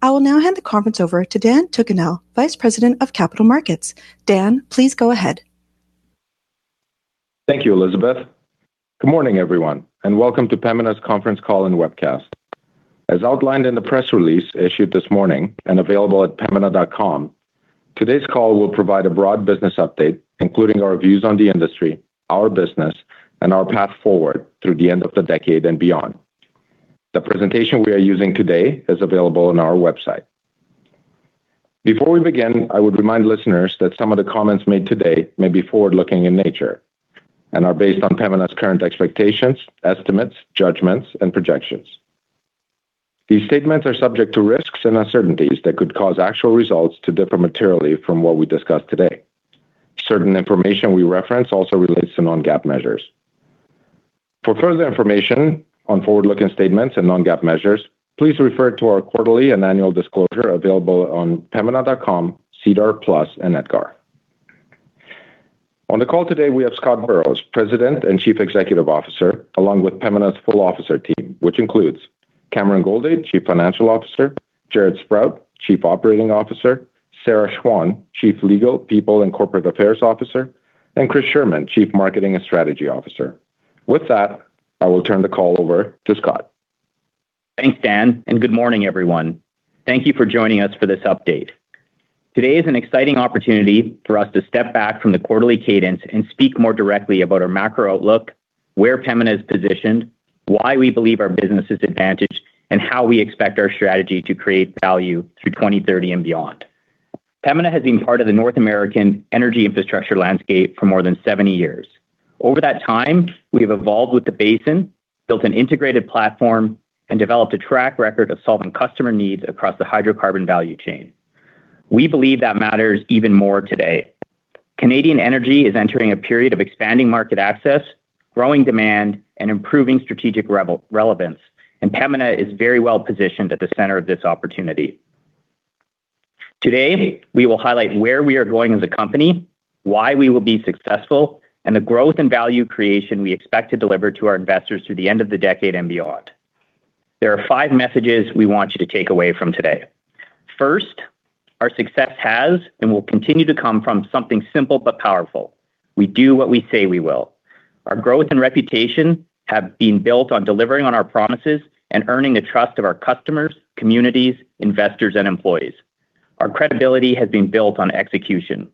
I will now hand the conference over to Dan Tucunel, Vice President of Capital Markets. Dan, please go ahead. Thank you, Elizabeth. Good morning, everyone, and welcome to Pembina's conference call and webcast. As outlined in the press release issued this morning and available at pembina.com, today's call will provide a broad business update, including our views on the industry, our business, and our path forward through the end of the decade and beyond. The presentation we are using today is available on our website. Before we begin, I would remind listeners that some of the comments made today may be forward-looking in nature and are based on Pembina's current expectations, estimates, judgments, and projections. These statements are subject to risks and uncertainties that could cause actual results to differ materially from what we discuss today. Certain information we reference also relates to non-GAAP measures. For further information on forward-looking statements and non-GAAP measures, please refer to our quarterly and annual disclosure available on pembina.com, SEDAR+ and EDGAR. On the call today, we have Scott Burrows, President and Chief Executive Officer, along with Pembina's full officer team, which includes Cameron Goldade, Chief Financial Officer, Jaret Sprott, Chief Operating Officer, Sarah Schwann, Chief Legal, People, and Corporate Affairs Officer, and Chris Scherman, Chief Marketing and Strategy Officer. With that, I will turn the call over to Scott. Thanks, Dan, and good morning, everyone. Thank you for joining us for this update. Today is an exciting opportunity for us to step back from the quarterly cadence and speak more directly about our macro outlook, where Pembina is positioned, why we believe our business is advantaged, and how we expect our strategy to create value through 2030 and beyond. Pembina has been part of the North American energy infrastructure landscape for more than 70 years. Over that time, we have evolved with the basin, built an integrated platform, and developed a track record of solving customer needs across the hydrocarbon value chain. We believe that matters even more today. Canadian energy is entering a period of expanding market access, growing demand, and improving strategic relevance, and Pembina is very well-positioned at the center of this opportunity. Today, we will highlight where we are going as a company, why we will be successful, and the growth and value creation we expect to deliver to our investors through the end of the decade and beyond. There are five messages we want you to take away from today. First, our success has and will continue to come from something simple but powerful. We do what we say we will. Our growth and reputation have been built on delivering on our promises and earning the trust of our customers, communities, investors, and employees. Our credibility has been built on execution.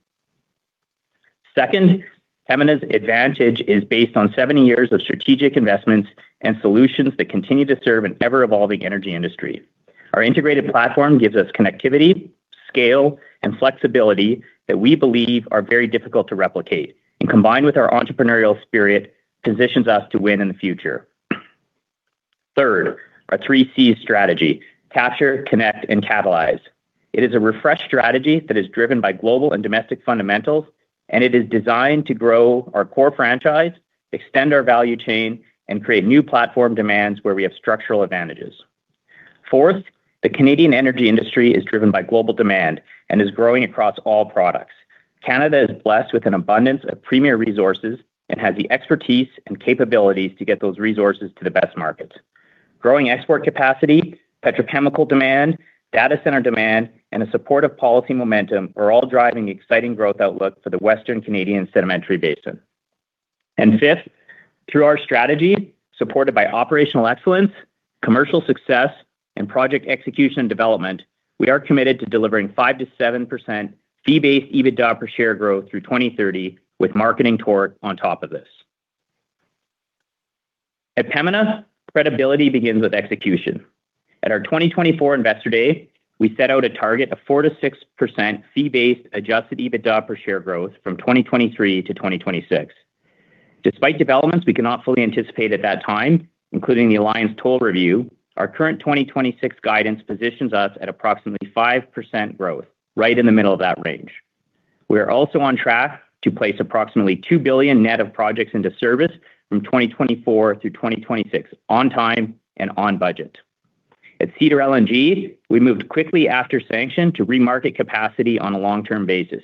Second, Pembina's advantage is based on 70 years of strategic investments and solutions that continue to serve an ever-evolving energy industry. Our integrated platform gives us connectivity, scale, and flexibility that we believe are very difficult to replicate, and combined with our entrepreneurial spirit, positions us to win in the future. Third, our 3Cs strategy, capture, connect, and catalyze. It is a refreshed strategy that is driven by global and domestic fundamentals, and it is designed to grow our core franchise, extend our value chain, and create new platform demands where we have structural advantages. Fourth, the Canadian energy industry is driven by global demand and is growing across all products. Canada is blessed with an abundance of premier resources and has the expertise and capabilities to get those resources to the best markets. Growing export capacity, petrochemical demand, data center demand, and a supportive policy momentum are all driving exciting growth outlook for the Western Canadian Sedimentary Basin. Fifth, through our strategy, supported by operational excellence, commercial success, and project execution development, we are committed to delivering 5%-7% fee-based EBITDA per share growth through 2030, with marketing torque on top of this. At Pembina, credibility begins with execution. At our 2024 Investor Day, we set out a target of 4%-6% fee-based adjusted EBITDA per share growth from 2023-2026. Despite developments we cannot fully anticipate at that time, including the Alliance toll review, our current 2026 guidance positions us at approximately 5% growth, right in the middle of that range. We are also on track to place approximately 2 billion net of projects into service from 2024 through 2026 on time and on budget. At Cedar LNG, we moved quickly after sanction to re-market capacity on a long-term basis.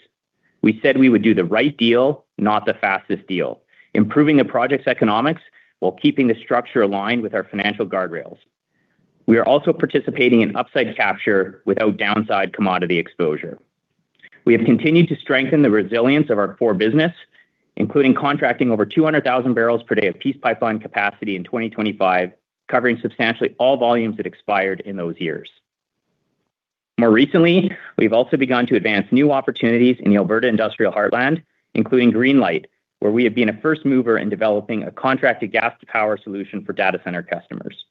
We said we would do the right deal, not the fastest deal, improving the project's economics while keeping the structure aligned with our financial guardrails. We are also participating in upside capture without downside commodity exposure. We have continued to strengthen the resilience of our core business, including contracting over 200,000 bbl per day of Peace Pipeline capacity in 2025, covering substantially all volumes that expired in those years. More recently, we've also begun to advance new opportunities in the Alberta Industrial Heartland, including Greenlight, where we have been a first mover in developing a contracted gas-to-power solution for data center customers.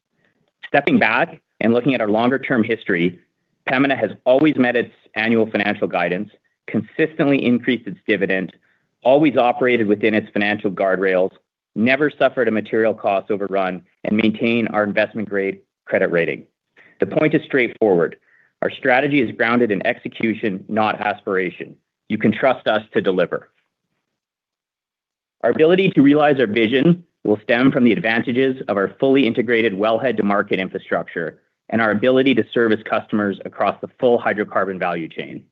Stepping back and looking at our longer-term history, Pembina has always met its annual financial guidance, consistently increased its dividend, always operated within its financial guardrails, never suffered a material cost overrun, and maintained our investment-grade credit rating. The point is straightforward. Our strategy is grounded in execution, not aspiration. You can trust us to deliver. Our ability to realize our vision will stem from the advantages of our fully integrated wellhead-to-market infrastructure and our ability to service customers across the full hydrocarbon value chain.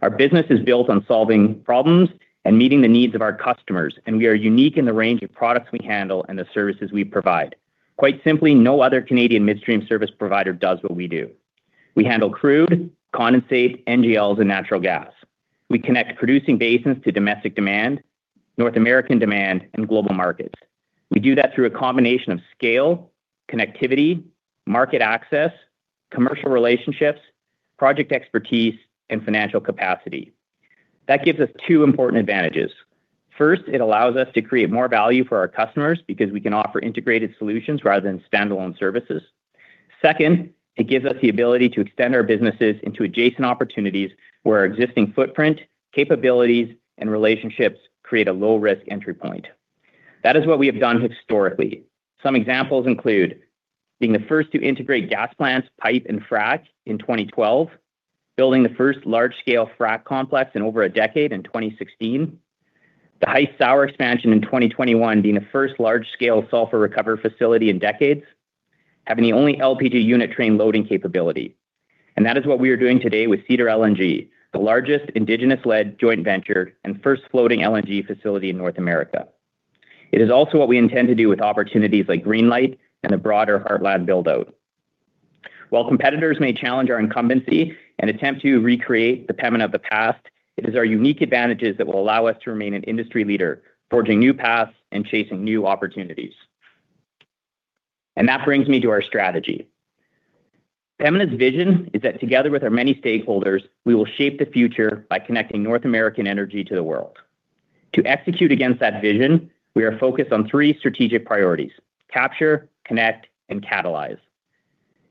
Our business is built on solving problems and meeting the needs of our customers, and we are unique in the range of products we handle and the services we provide. Quite simply, no other Canadian midstream service provider does what we do. We handle crude, condensate, NGLs, and natural gas. We connect producing basins to domestic demand, North American demand, and global markets. We do that through a combination of scale, connectivity, market access, commercial relationships, project expertise, and financial capacity. That gives us two important advantages. First, it allows us to create more value for our customers because we can offer integrated solutions rather than standalone services. Second, it gives us the ability to extend our businesses into adjacent opportunities where our existing footprint, capabilities, and relationships create a low-risk entry point. That is what we have done historically. Some examples include being the first to integrate gas plants, pipe, and fracs in 2012, building the first large-scale frac complex in over a decade in 2016, the Hythe Sour expansion in 2021 being the first large-scale sulfur recovery facility in decades, having the only LPG unit train loading capability. That is what we are doing today with Cedar LNG, the largest indigenous-led joint venture and first floating LNG facility in North America. It is also what we intend to do with opportunities like Greenlight and the broader Heartland build-out. While competitors may challenge our incumbency and attempt to recreate the Pembina of the past, it is our unique advantages that will allow us to remain an industry leader, forging new paths and chasing new opportunities. That brings me to our strategy. Pembina's vision is that together with our many stakeholders, we will shape the future by connecting North American energy to the world. To execute against that vision, we are focused on three strategic priorities, capture, connect, and catalyze.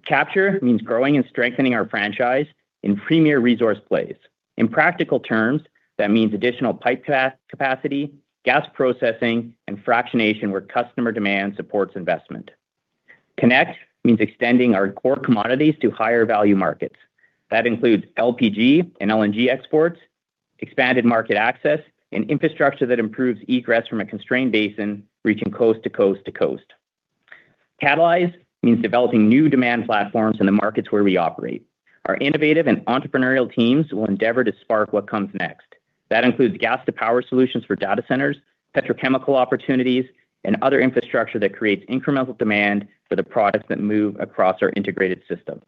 Capture means growing and strengthening our franchise in premier resource plays. In practical terms, that means additional pipe capacity, gas processing, and fractionation where customer demand supports investment. Connect means extending our core commodities to higher-value markets. That includes LPG and LNG exports, expanded market access, and infrastructure that improves egress from a constrained basin, reaching coast to coast to coast. Catalyze means developing new demand platforms in the markets where we operate. Our innovative and entrepreneurial teams will endeavor to spark what comes next. That includes gas-to-power solutions for data centers, petrochemical opportunities, and other infrastructure that creates incremental demand for the products that move across our integrated system.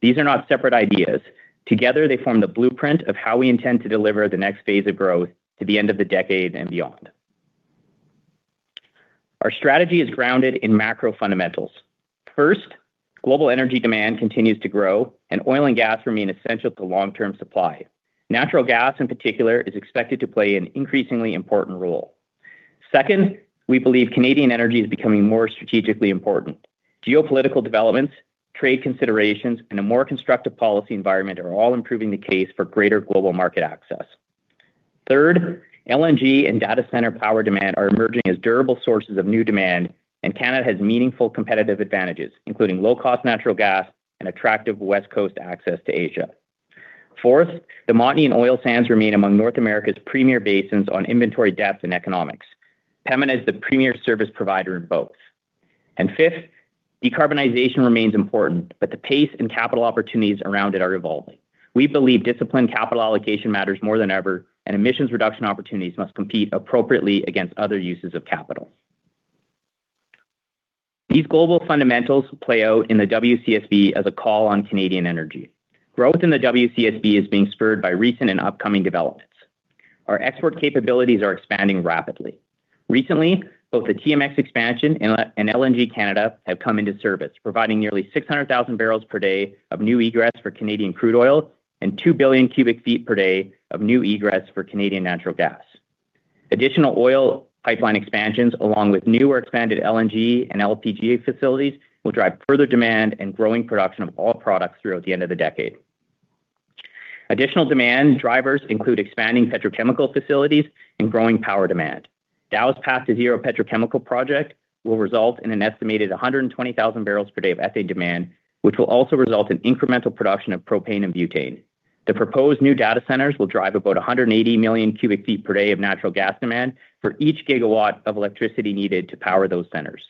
These are not separate ideas. Together, they form the blueprint of how we intend to deliver the next phase of growth to the end of the decade and beyond. Our strategy is grounded in macro fundamentals. First, global energy demand continues to grow, and oil and gas remain essential to long-term supply. Natural gas, in particular, is expected to play an increasingly important role. Second, we believe Canadian energy is becoming more strategically important. Geopolitical developments, trade considerations, and a more constructive policy environment are all improving the case for greater global market access. Third, LNG and data center power demand are emerging as durable sources of new demand, and Canada has meaningful competitive advantages, including low-cost natural gas and attractive West Coast access to Asia. Fourth, the Montney Oil Sands remain among North America's premier basins on inventory depth and economics. Pembina is the premier service provider in both. Fifth, decarbonization remains important, but the pace and capital opportunities around it are evolving. We believe disciplined capital allocation matters more than ever, and emissions reduction opportunities must compete appropriately against other uses of capital. These global fundamentals play out in the WCSB as a call on Canadian energy. Growth in the WCSB is being spurred by recent and upcoming developments. Our export capabilities are expanding rapidly. Recently, both the TMX expansion and LNG Canada have come into service, providing nearly 600,000 bbl per day of new egress for Canadian crude oil and 2 Bcf/d of new egress for Canadian natural gas. Additional oil pipeline expansions, along with new or expanded LNG and LPG facilities, will drive further demand and growing production of all products throughout the end of the decade. Additional demand drivers include expanding petrochemical facilities and growing power demand. Dow's Path2Zero petrochemical project will result in an estimated 120,000 bbl/d of ethane demand, which will also result in incremental production of propane and butane. The proposed new data centers will drive about 180 MMcf/d of natural gas demand for each gigawatt of electricity needed to power those centers.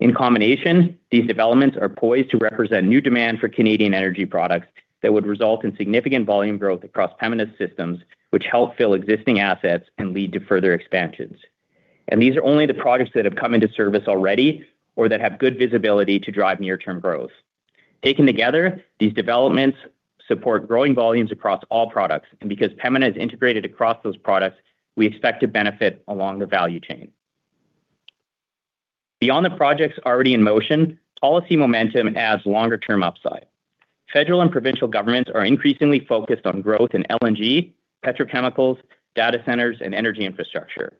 In combination, these developments are poised to represent new demand for Canadian energy products that would result in significant volume growth across Pembina's systems, which help fill existing assets and lead to further expansions. These are only the projects that have come into service already or that have good visibility to drive near-term growth. Taken together, these developments support growing volumes across all products. Because Pembina is integrated across those products, we expect to benefit along the value chain. Beyond the projects already in motion, policy momentum adds longer-term upside. Federal and provincial governments are increasingly focused on growth in LNG, petrochemicals, data centers, and energy infrastructure.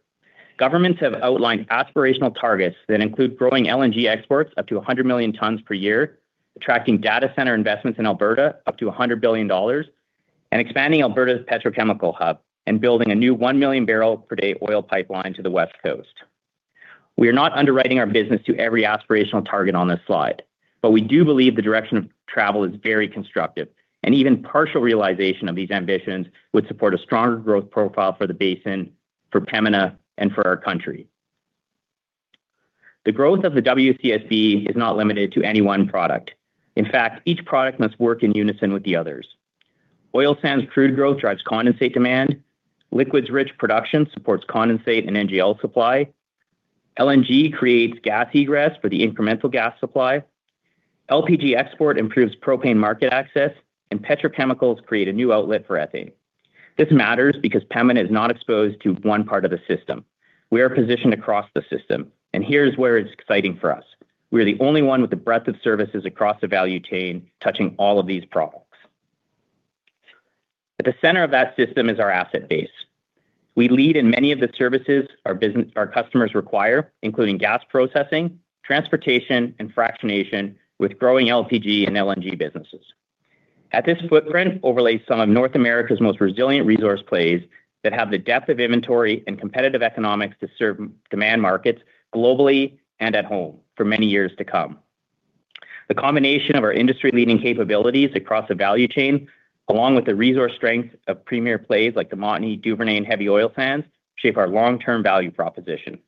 Governments have outlined aspirational targets that include growing LNG exports up to 100 million tons per year, attracting data center investments in Alberta up to 100 billion dollars, and expanding Alberta's petrochemical hub and building a new 1 million bbl/d oil pipeline to the West Coast. We are not underwriting our business to every aspirational target on this slide, but we do believe the direction of travel is very constructive, and even partial realization of these ambitions would support a stronger growth profile for the basin, for Pembina, and for our country. The growth of the WCSB is not limited to any one product. In fact, each product must work in unison with the others. Oil sands crude growth drives condensate demand. Liquids rich production supports condensate and NGL supply. LNG creates gas egress for the incremental gas supply. LPG export improves propane market access, and petrochemicals create a new outlet for ethane. This matters because Pembina is not exposed to one part of the system. We are positioned across the system, and here's where it's exciting for us. We are the only one with the breadth of services across the value chain touching all of these products. At the center of that system is our asset base. We lead in many of the services our customers require, including gas processing, transportation, and fractionation, with growing LPG and LNG businesses. And this footprint overlays some of North America's most resilient resource plays that have the depth of inventory and competitive economics to serve demand markets globally and at home for many years to come. The combination of our industry-leading capabilities across the value chain, along with the resource strength of premier plays like the Montney, Duvernay, and Heavy Oil Sands, shape our long-term value proposition.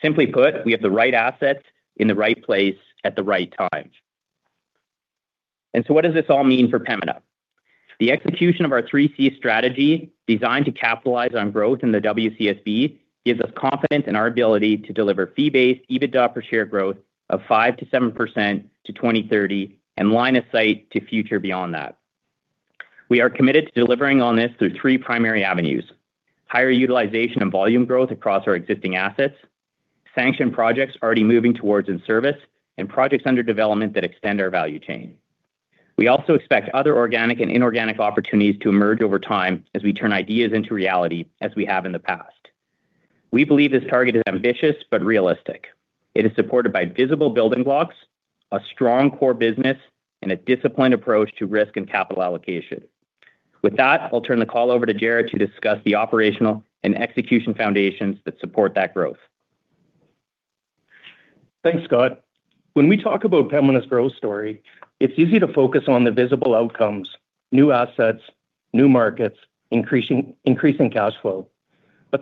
Simply put, we have the right assets in the right place at the right time. What does this all mean for Pembina? The execution of our 3Cs strategy designed to capitalize on growth in the WCSB, gives us confidence in our ability to deliver fee-based EBITDA per share growth of 5%-7% to 2030, and line of sight to future beyond that. We are committed to delivering on this through three primary avenues, higher utilization and volume growth across our existing assets, sanctioned projects already moving towards in service, and projects under development that extend our value chain. We also expect other organic and inorganic opportunities to emerge over time as we turn ideas into reality, as we have in the past. We believe this target is ambitious but realistic. It is supported by visible building blocks, a strong core business, and a disciplined approach to risk and capital allocation. With that, I'll turn the call over to Jaret to discuss the operational and execution foundations that support that growth. Thanks, Scott. When we talk about Pembina's growth story, it's easy to focus on the visible outcomes, new assets, new markets, increasing cash flow.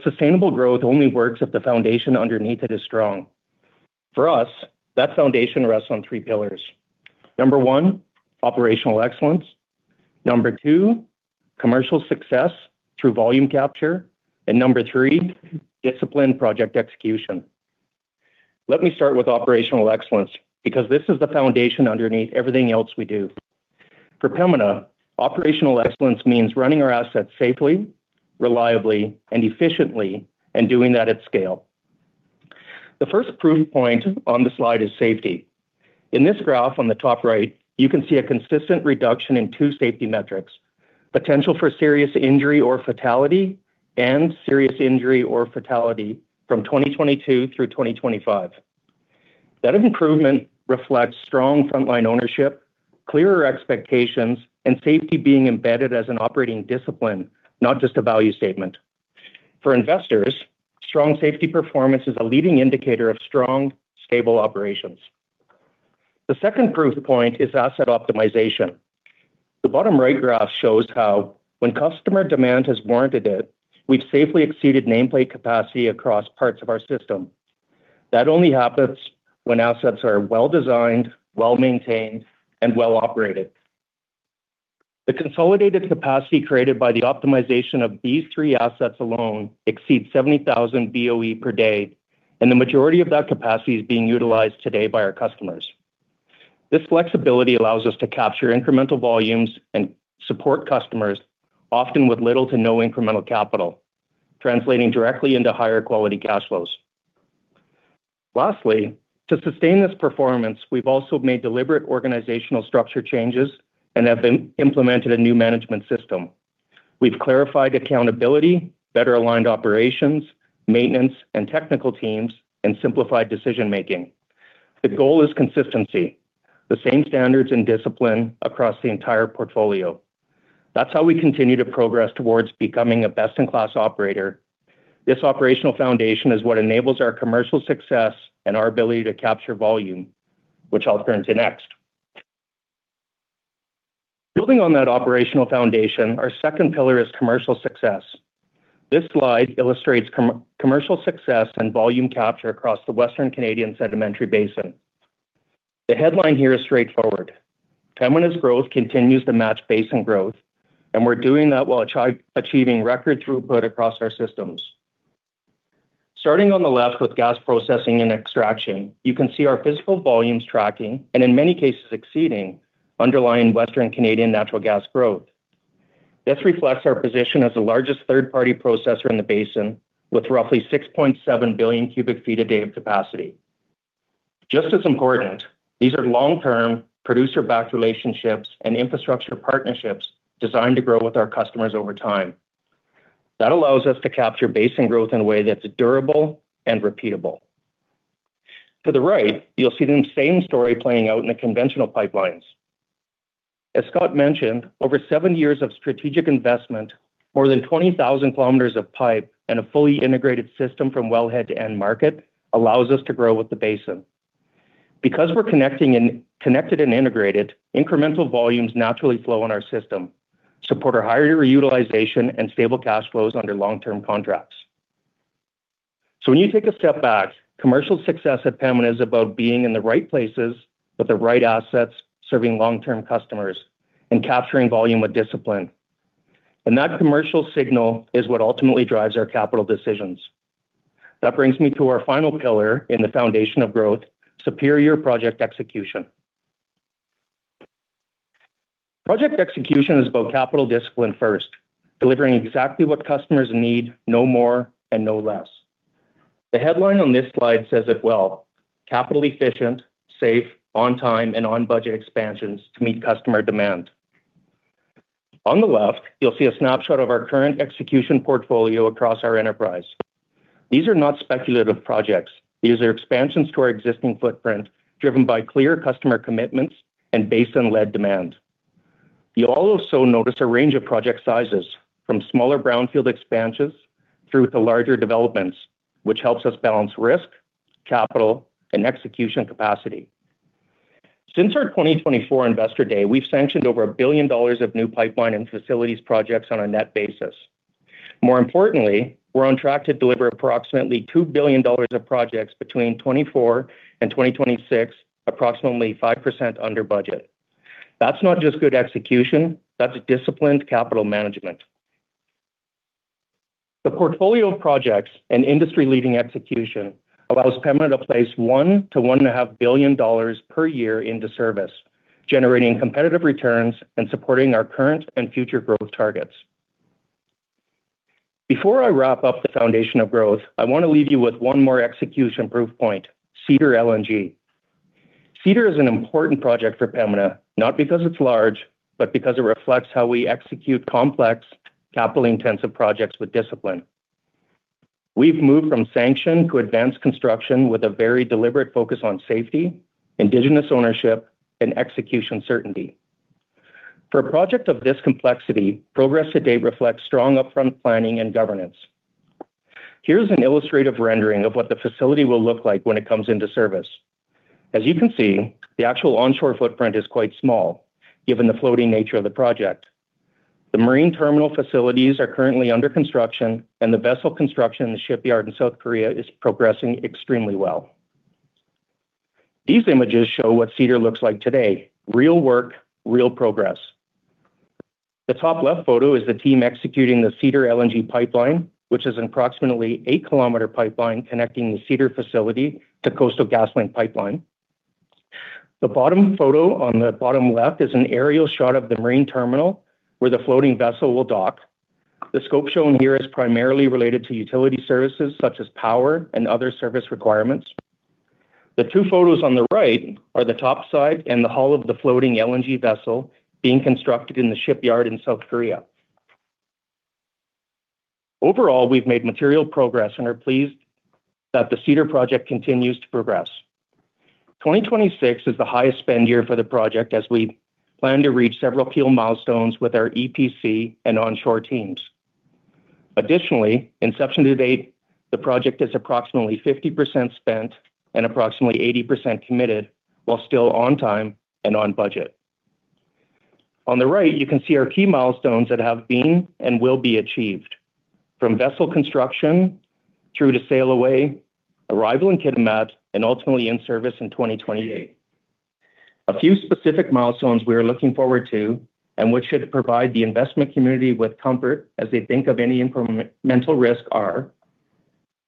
Sustainable growth only works if the foundation underneath it is strong. For us, that foundation rests on three pillars. Number one, operational excellence. Number two, commercial success through volume capture. Number three, disciplined project execution. Let me start with operational excellence because this is the foundation underneath everything else we do. For Pembina, operational excellence means running our assets safely, reliably, and efficiently, and doing that at scale. The first proof point on the slide is safety. In this graph on the top right, you can see a consistent reduction in two safety metrics, potential for serious injury or fatality, and serious injury or fatality from 2022 through 2025. That improvement reflects strong frontline ownership, clearer expectations, and safety being embedded as an operating discipline, not just a value statement. For investors, strong safety performance is a leading indicator of strong, stable operations. The second proof point is asset optimization. The bottom right graph shows how when customer demand has warranted it, we've safely exceeded nameplate capacity across parts of our system. That only happens when assets are well-designed, well-maintained, and well-operated. The consolidated capacity created by the optimization of these three assets alone exceeds 70,000 BOE/D, and the majority of that capacity is being utilized today by our customers. This flexibility allows us to capture incremental volumes and support customers, often with little to no incremental capital, translating directly into higher quality cash flows. Lastly, to sustain this performance, we've also made deliberate organizational structure changes and have implemented a new management system. We've clarified accountability, better aligned operations, maintenance and technical teams, and simplified decision-making. The goal is consistency, the same standards and discipline across the entire portfolio. That's how we continue to progress towards becoming a best-in-class operator. This operational foundation is what enables our commercial success and our ability to capture volume, which I'll turn to next. Building on that operational foundation, our second pillar is commercial success. This slide illustrates commercial success and volume capture across the Western Canadian Sedimentary Basin. The headline here is straightforward. Pembina's growth continues to match basin growth, and we're doing that while achieving record throughput across our systems. Starting on the left with gas processing and extraction, you can see our physical volumes tracking, and in many cases exceeding underlying Western Canadian natural gas growth. This reflects our position as the largest third-party processor in the basin with roughly 6.7 Bcf/d of capacity. Just as important, these are long-term, producer-backed relationships and infrastructure partnerships designed to grow with our customers over time. That allows us to capture basin growth in a way that's durable and repeatable. To the right, you'll see the same story playing out in the conventional pipelines. As Scott mentioned, over seven years of strategic investment, more than 20,000 km of pipe and a fully integrated system from wellhead to end market allows us to grow with the basin. We're connected and integrated, incremental volumes naturally flow in our system, support our higher utilization and stable cash flows under long-term contracts. When you take a step back, commercial success at Pembina is about being in the right places with the right assets, serving long-term customers, and capturing volume with discipline. That commercial signal is what ultimately drives our capital decisions. That brings me to our final pillar in the foundation of growth, superior project execution. Project execution is about capital discipline first, delivering exactly what customers need, no more and no less. The headline on this slide says it well, capital efficient, safe, on time, and on budget expansions to meet customer demand. On the left, you'll see a snapshot of our current execution portfolio across our enterprise. These are not speculative projects. These are expansions to our existing footprint driven by clear customer commitments and basin-led demand. You'll also notice a range of project sizes, from smaller brownfield expansions through to larger developments, which helps us balance risk, capital, and execution capacity. Since our 2024 Investor Day, we've sanctioned over 1 billion dollars of new pipeline and facilities projects on a net basis. More importantly, we're on track to deliver approximately 2 billion dollars of projects between 2024 and 2026, approximately 5% under budget. That's not just good execution, that's disciplined capital management. The portfolio of projects and industry-leading execution allows Pembina to place 1 billion-1.5 billion dollars per year into service, generating competitive returns and supporting our current and future growth targets. Before I wrap up the foundation of growth, I want to leave you with one more execution proof point, Cedar LNG. Cedar is an important project for Pembina, not because it's large, but because it reflects how we execute complex, capital-intensive projects with discipline. We've moved from sanction to advanced construction with a very deliberate focus on safety, indigenous ownership, and execution certainty. For a project of this complexity, progress to date reflects strong upfront planning and governance. Here's an illustrative rendering of what the facility will look like when it comes into service. As you can see, the actual onshore footprint is quite small given the floating nature of the project. The marine terminal facilities are currently under construction, and the vessel construction in the shipyard in South Korea is progressing extremely well. These images show what Cedar looks like today. Real work, real progress. The top left photo is the team executing the Cedar LNG pipeline, which is an approximately 8-km pipeline connecting the Cedar facility to Coastal GasLink pipeline. The bottom photo on the bottom left is an aerial shot of the marine terminal where the floating vessel will dock. The scope shown here is primarily related to utility services such as power and other service requirements. The two photos on the right are the top side and the hull of the floating LNG vessel being constructed in the shipyard in South Korea. Overall, we've made material progress and are pleased that the Cedar project continues to progress. 2026 is the highest spend year for the project as we plan to reach several key milestones with our EPC and onshore teams. Additionally, inception to date, the project is approximately 50% spent and approximately 80% committed while still on time and on budget. On the right, you can see our key milestones that have been and will be achieved, from vessel construction through to sail away, arrival in Kitimat, and ultimately in service in 2028. A few specific milestones we are looking forward to and which should provide the investment community with comfort as they think of any incremental risk are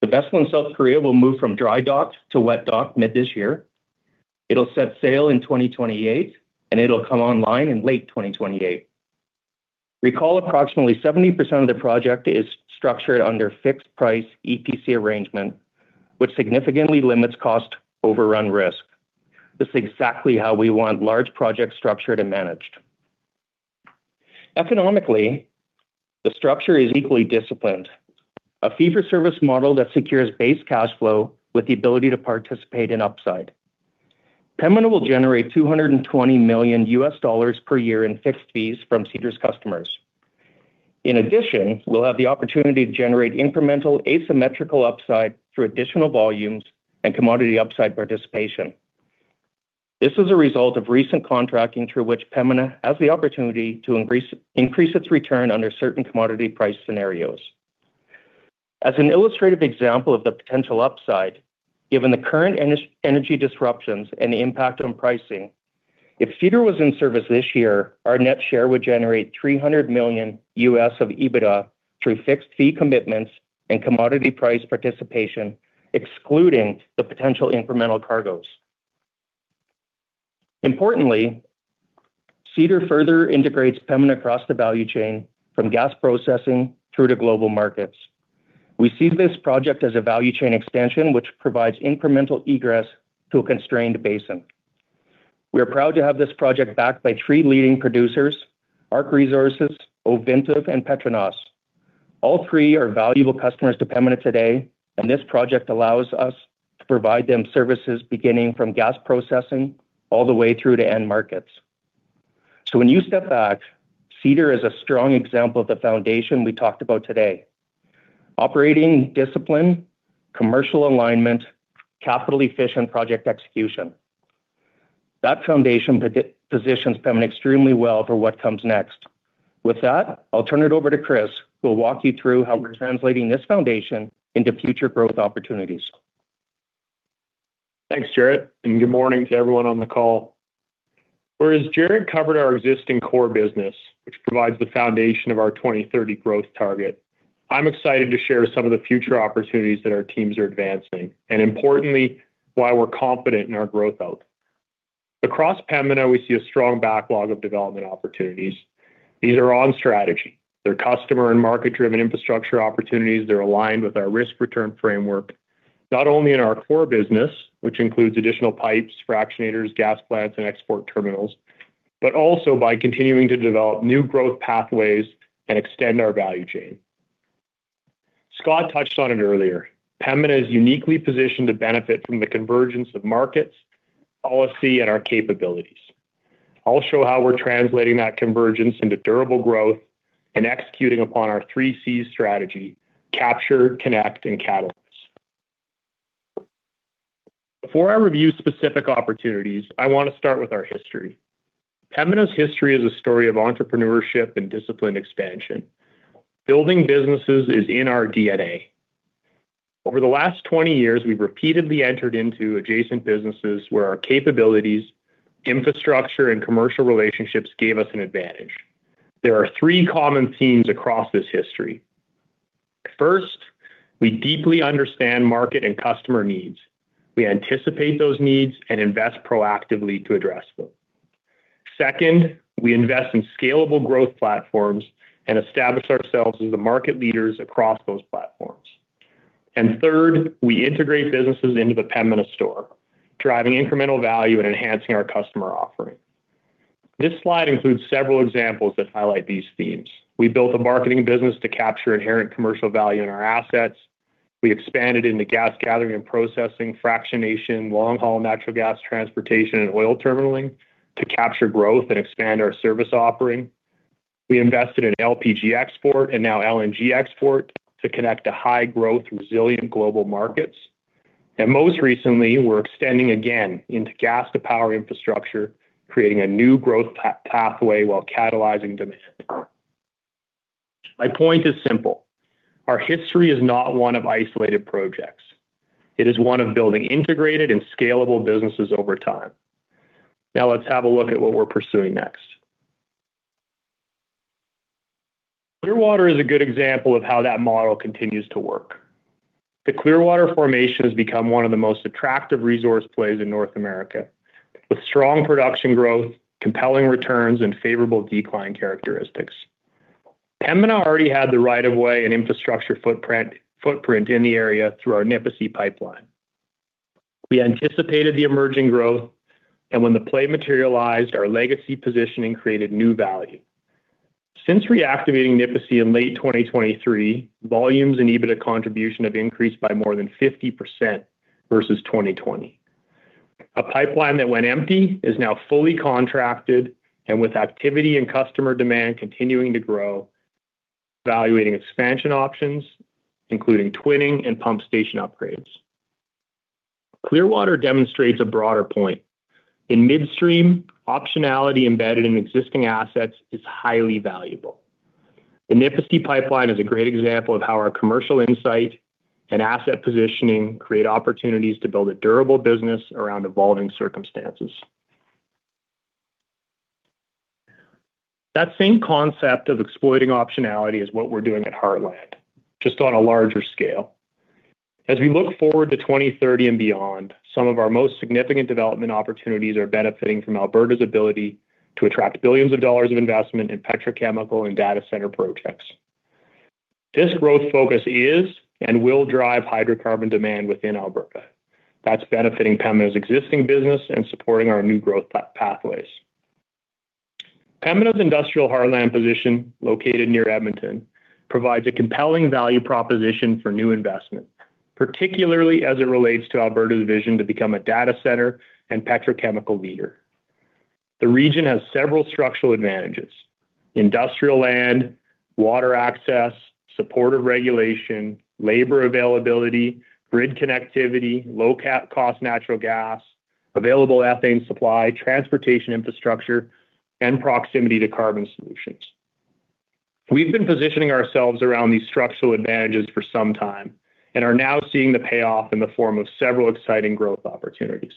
the vessel in South Korea will move from dry dock to wet dock mid this year. It'll set sail in 2028, and it'll come online in late 2028. Recall, approximately 70% of the project is structured under fixed price EPC arrangement, which significantly limits cost overrun risk. That's exactly how we want large projects structured and managed. Economically, the structure is equally disciplined. A fee-for-service model that secures base cash flow with the ability to participate in upside. Pembina will generate $220 million per year in fixed fees from Cedar's customers. In addition, we'll have the opportunity to generate incremental asymmetrical upside through additional volumes and commodity upside participation. This is a result of recent contracting through which Pembina has the opportunity to increase its return under certain commodity price scenarios. As an illustrative example of the potential upside, given the current energy disruptions and the impact on pricing, if Cedar was in service this year, our net share would generate $300 million of EBITDA through fixed fee commitments and commodity price participation, excluding the potential incremental cargoes. Importantly, Cedar further integrates Pembina across the value chain from gas processing through to global markets. We see this project as a value chain extension, which provides incremental egress to a constrained basin. We are proud to have this project backed by three leading producers, ARC Resources, Ovintiv, and PETRONAS. All three are valuable customers to Pembina today, and this project allows us to provide them services beginning from gas processing all the way through to end markets. When you step back, Cedar is a strong example of the foundation we talked about today. Operating discipline, commercial alignment, capital-efficient project execution. That foundation positions Pembina extremely well for what comes next. With that, I'll turn it over to Chris, who will walk you through how we're translating this foundation into future growth opportunities. Thanks, Jaret, and good morning to everyone on the call. Whereas Jaret covered our existing core business, which provides the foundation of our 2030 growth target, I'm excited to share some of the future opportunities that our teams are advancing, and importantly, why we're confident in our growth outlook. Across Pembina, we see a strong backlog of development opportunities. These are on strategy. They're customer and market-driven infrastructure opportunities that are aligned with our risk-return framework, not only in our core business, which includes additional pipes, fractionators, gas plants, and export terminals, but also by continuing to develop new growth pathways and extend our value chain. Scott touched on it earlier. Pembina is uniquely positioned to benefit from the convergence of markets, policy, and our capabilities. I'll show how we're translating that convergence into durable growth and executing upon our 3Cs strategy, Capture, Connect, and Catalyze. Before I review specific opportunities, I want to start with our history. Pembina's history is a story of entrepreneurship and disciplined expansion. Building businesses is in our DNA. Over the last 20 years, we've repeatedly entered into adjacent businesses where our capabilities, infrastructure, and commercial relationships gave us an advantage. There are three common themes across this history. First, we deeply understand market and customer needs. We anticipate those needs and invest proactively to address them. Second, we invest in scalable growth platforms and establish ourselves as the market leaders across those platforms. Third, we integrate businesses into the Pembina core, driving incremental value and enhancing our customer offering. This slide includes several examples that highlight these themes. We built a marketing business to capture inherent commercial value in our assets. We expanded into gas gathering and processing, fractionation, long-haul natural gas transportation, and oil terminaling to capture growth and expand our service offering. We invested in LPG export and now LNG export to connect to high-growth, resilient global markets. Most recently, we're extending again into gas-to-power infrastructure, creating a new growth pathway while catalyzing demand. My point is simple. Our history is not one of isolated projects. It is one of building integrated and scalable businesses over time. Now, let's have a look at what we're pursuing next. Clearwater is a good example of how that model continues to work. The Clearwater Formation has become one of the most attractive resource plays in North America, with strong production growth, compelling returns, and favorable decline characteristics. Pembina already had the right of way and infrastructure footprint in the area through our Nipisi Pipeline. We anticipated the emerging growth, and when the play materialized, our legacy positioning created new value. Since reactivating Nipisi in late 2023, volumes and EBITDA contribution have increased by more than 50% versus 2020. A pipeline that went empty is now fully contracted, and with activity and customer demand continuing to grow, we are evaluating expansion options, including twinning and pump station upgrades. Clearwater demonstrates a broader point. In midstream, optionality embedded in existing assets is highly valuable. The Nipisi Pipeline is a great example of how our commercial insight and asset positioning create opportunities to build a durable business around evolving circumstances. That same concept of exploiting optionality is what we're doing at Heartland, just on a larger scale. As we look forward to 2030 and beyond, some of our most significant development opportunities are benefiting from Alberta's ability to attract billions of dollars of investment in petrochemical and data center projects. This growth focus is and will drive hydrocarbon demand within Alberta. That's benefiting Pembina's existing business and supporting our new growth pathways. Pembina's industrial heartland position, located near Edmonton, provides a compelling value proposition for new investment, particularly as it relates to Alberta's vision to become a data center and petrochemical leader. The region has several structural advantages, industrial land, water access, supportive regulation, labor availability, grid connectivity, low-cost natural gas, available ethane supply, transportation infrastructure, and proximity to carbon solutions. We've been positioning ourselves around these structural advantages for some time and are now seeing the payoff in the form of several exciting growth opportunities.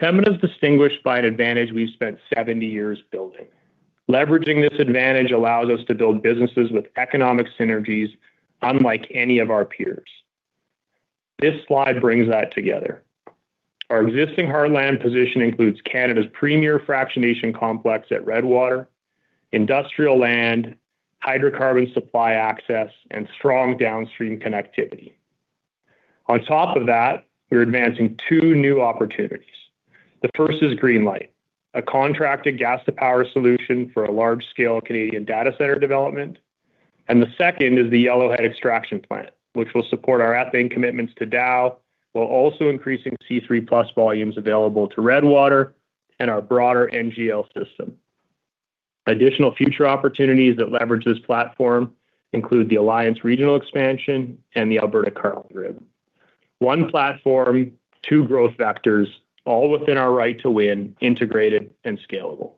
Pembina is distinguished by an advantage we've spent 70 years building. Leveraging this advantage allows us to build businesses with economic synergies unlike any of our peers. This slide brings that together. Our existing heartland position includes Canada's premier fractionation complex at Redwater, industrial land, hydrocarbon supply access, and strong downstream connectivity. On top of that, we're advancing two new opportunities. The first is Greenlight, a contracted gas-to-power solution for a large-scale Canadian data center development. The second is the Yellowhead extraction plant, which will support our ethane commitments to Dow while also increasing C3+ volumes available to Redwater and our broader NGL system. Additional future opportunities that leverage this platform include the Alliance regional expansion and the Alberta Carbon Grid. One platform, two growth vectors, all within our right to win, integrated and scalable.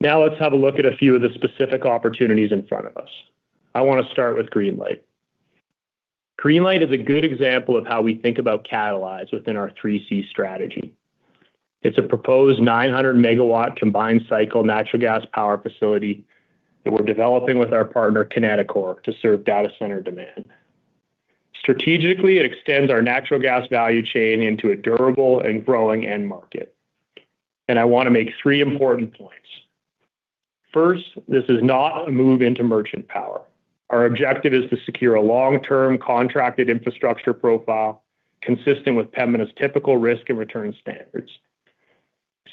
Now let's have a look at a few of the specific opportunities in front of us. I want to start with Greenlight. Greenlight is a good example of how we think about catalyze within our 3Cs strategy. It's a proposed 900-MW combined-cycle natural gas power facility that we're developing with our partner, Kineticor, to serve data center demand. Strategically, it extends our natural gas value chain into a durable and growing end market. I want to make three important points. First, this is not a move into merchant power. Our objective is to secure a long-term contracted infrastructure profile consistent with Pembina's typical risk and return standards.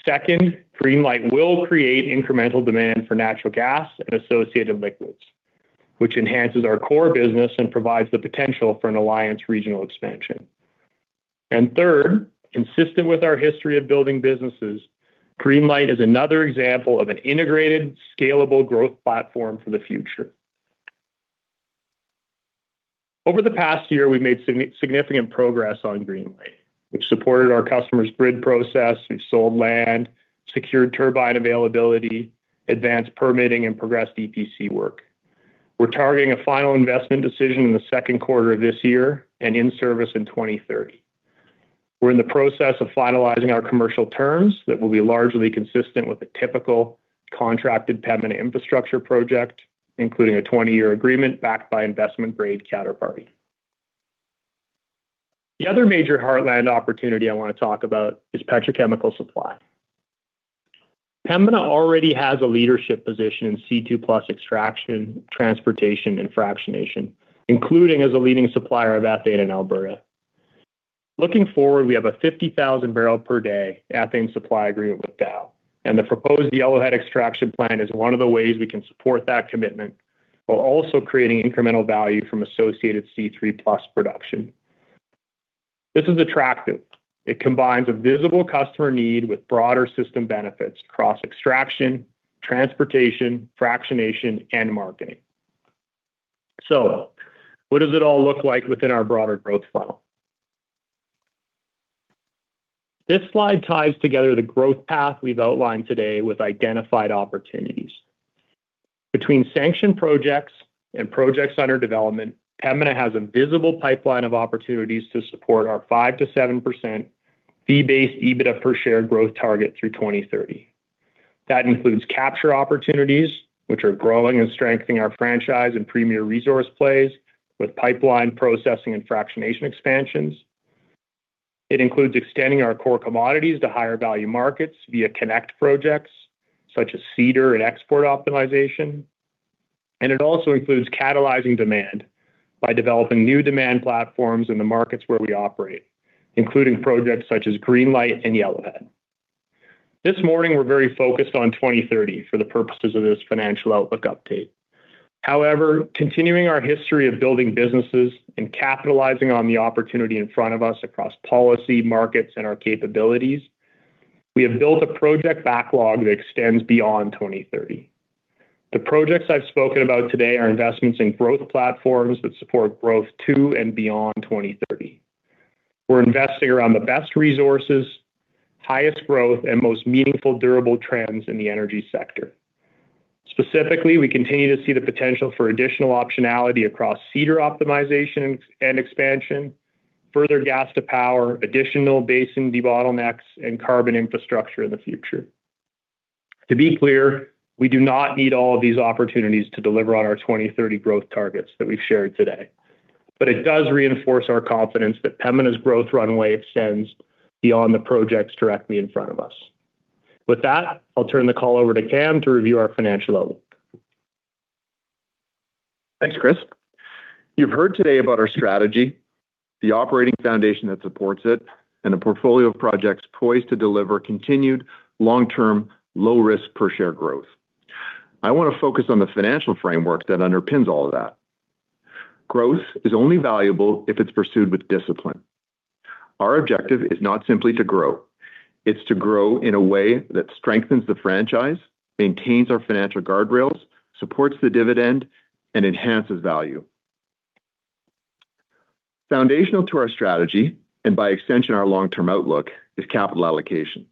Second, Greenlight will create incremental demand for natural gas and associated liquids, which enhances our core business and provides the potential for an Alliance regional expansion. Third, consistent with our history of building businesses, Greenlight is another example of an integrated, scalable growth platform for the future. Over the past year, we've made significant progress on Greenlight, which supported our customer's grid process. We've sold land, secured turbine availability, advanced permitting, and progressed EPC work. We're targeting a final investment decision in the second quarter of this year and in service in 2030. We're in the process of finalizing our commercial terms that will be largely consistent with a typical contracted Pembina infrastructure project, including a 20-year agreement backed by investment-grade counterparty. The other major Heartland opportunity I want to talk about is petrochemical supply. Pembina already has a leadership position in C2+ extraction, transportation, and fractionation, including as a leading supplier of ethane in Alberta. Looking forward, we have a 50,000 bbl/dy ethane supply agreement with Dow, and the proposed Yellowhead extraction plant is one of the ways we can support that commitment while also creating incremental value from associated C3+ production. This is attractive. It combines a visible customer need with broader system benefits across extraction, transportation, fractionation, and marketing. What does it all look like within our broader growth funnel? This slide ties together the growth path we've outlined today with identified opportunities. Between sanctioned projects and projects under development, Pembina has a visible pipeline of opportunities to support our 5%-7% fee-based EBITDA per share growth target through 2030. That includes capture opportunities, which are growing and strengthening our franchise and premier resource plays with pipeline processing and fractionation expansions. It includes extending our core commodities to higher-value markets via connect projects such as Cedar and export optimization, and it also includes catalyzing demand by developing new demand platforms in the markets where we operate, including projects such as Greenlight and Yellowhead. This morning, we're very focused on 2030 for the purposes of this financial outlook update. However, continuing our history of building businesses and capitalizing on the opportunity in front of us across policy, markets, and our capabilities, we have built a project backlog that extends beyond 2030. The projects I've spoken about today are investments in growth platforms that support growth to and beyond 2030. We're investing around the best resources, highest growth, and most meaningful, durable trends in the energy sector. Specifically, we continue to see the potential for additional optionality across Cedar optimization and expansion, further gas to power, additional basin debottlenecks, and carbon infrastructure in the future. To be clear, we do not need all of these opportunities to deliver on our 2030 growth targets that we've shared today, but it does reinforce our confidence that Pembina's growth runway extends beyond the projects directly in front of us. With that, I'll turn the call over to Cam to review our financial outlook. Thanks, Chris. You've heard today about our strategy, the operating foundation that supports it, and a portfolio of projects poised to deliver continued long-term, low-risk per share growth. I want to focus on the financial framework that underpins all of that. Growth is only valuable if it's pursued with discipline. Our objective is not simply to grow. It's to grow in a way that strengthens the franchise, maintains our financial guardrails, supports the dividend, and enhances value. Foundational to our strategy, and by extension, our long-term outlook, is capital allocation.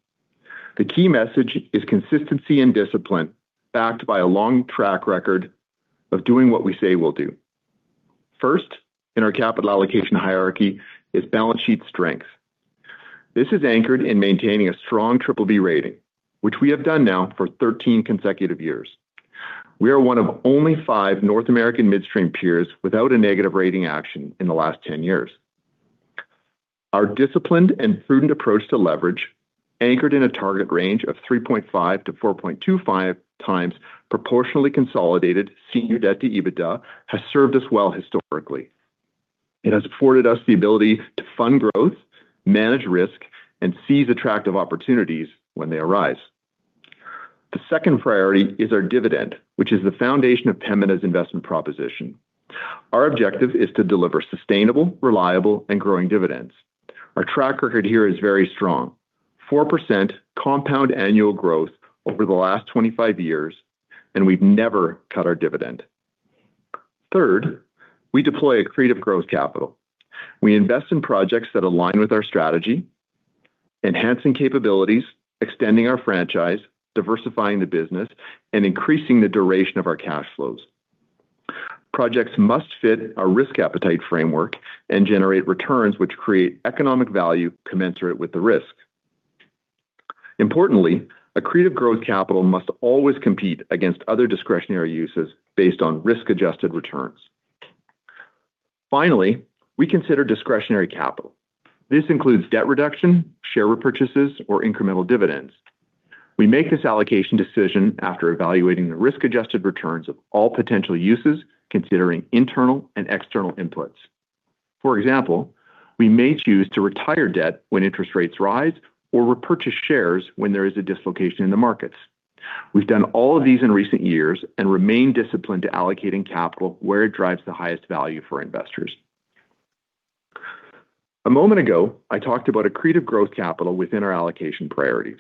The key message is consistency and discipline, backed by a long track record of doing what we say we'll do. First in our capital allocation hierarchy is balance sheet strength. This is anchored in maintaining a strong BBB rating, which we have done now for 13 consecutive years. We are one of only five North American midstream peers without a negative rating action in the last 10 years. Our disciplined and prudent approach to leverage, anchored in a target range of 3.5-4.25 times proportionally consolidated senior debt to EBITDA, has served us well historically. It has afforded us the ability to fund growth, manage risk, and seize attractive opportunities when they arise. The second priority is our dividend, which is the foundation of Pembina's investment proposition. Our objective is to deliver sustainable, reliable, and growing dividends. Our track record here is very strong, 4% compound annual growth over the last 25 years, and we've never cut our dividend. Third, we deploy accretive growth capital. We invest in projects that align with our strategy, enhancing capabilities, extending our franchise, diversifying the business, and increasing the duration of our cash flows. Projects must fit our risk appetite framework and generate returns which create economic value commensurate with the risk. Importantly, accretive growth capital must always compete against other discretionary uses based on risk-adjusted returns. Finally, we consider discretionary capital. This includes debt reduction, share repurchases, or incremental dividends. We make this allocation decision after evaluating the risk-adjusted returns of all potential uses, considering internal and external inputs. For example, we may choose to retire debt when interest rates rise or repurchase shares when there is a dislocation in the markets. We've done all of these in recent years and remain disciplined to allocating capital where it drives the highest value for investors. A moment ago, I talked about accretive growth capital within our allocation priorities.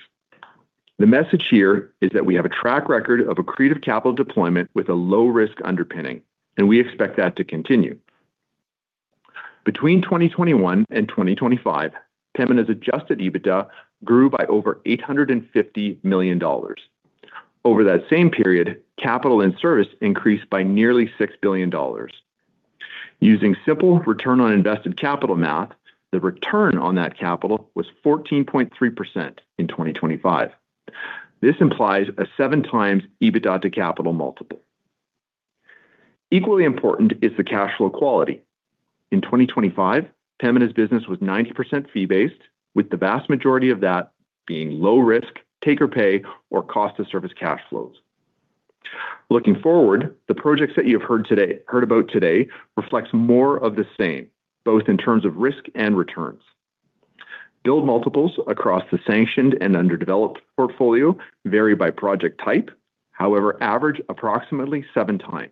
The message here is that we have a track record of accretive capital deployment with a low risk underpinning, and we expect that to continue. Between 2021 and 2025, Pembina's adjusted EBITDA grew by over 850 million dollars. Over that same period, capital and service increased by nearly 6 billion dollars. Using simple return on invested capital math, the return on that capital was 14.3% in 2025. This implies a 7x EBITDA to capital multiple. Equally important is the cash flow quality. In 2025, Pembina's business was 90% fee-based, with the vast majority of that being low risk, take-or-pay or cost-of-service cash flows. Looking forward, the projects that you have heard about today reflects more of the same, both in terms of risk and returns. Built multiples across the sanctioned and underdeveloped portfolio vary by project type. However, average approximately 7x.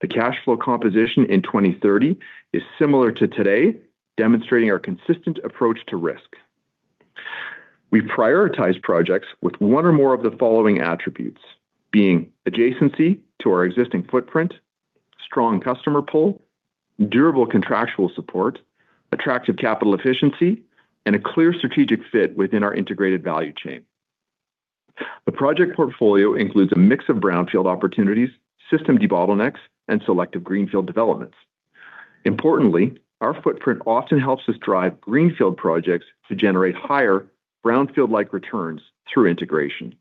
The cash flow composition in 2030 is similar to today, demonstrating our consistent approach to risk. We prioritize projects with one or more of the following attributes being adjacency to our existing footprint, strong customer pull, durable contractual support, attractive capital efficiency, and a clear strategic fit within our integrated value chain. The project portfolio includes a mix of brownfield opportunities, system debottlenecks, and selective greenfield developments. Importantly, our footprint often helps us drive greenfield projects to generate higher brownfield-like returns through integration.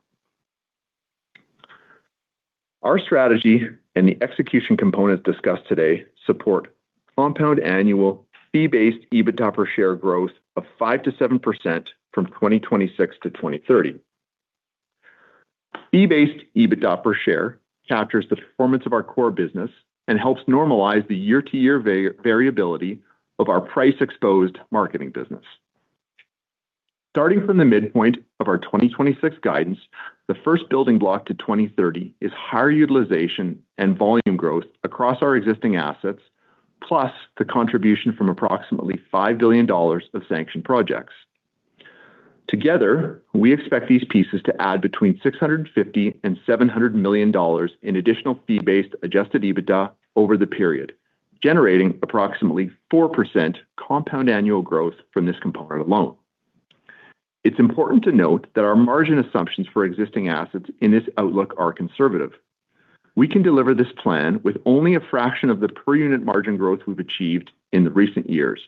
Our strategy and the execution components discussed today support compound annual fee-based EBITDA per share growth of 5%-7% from 2026-2030. Fee-based EBITDA per share captures the performance of our core business and helps normalize the year-to-year variability of our price-exposed marketing business. Starting from the midpoint of our 2026 guidance, the first building block to 2030 is higher utilization and volume growth across our existing assets, plus the contribution from approximately 5 billion dollars of sanctioned projects. Together, we expect these pieces to add between 650 million and 700 million dollars in additional fee-based adjusted EBITDA over the period, generating approximately 4% compound annual growth from this component alone. It's important to note that our margin assumptions for existing assets in this outlook are conservative. We can deliver this plan with only a fraction of the per unit margin growth we've achieved in the recent years.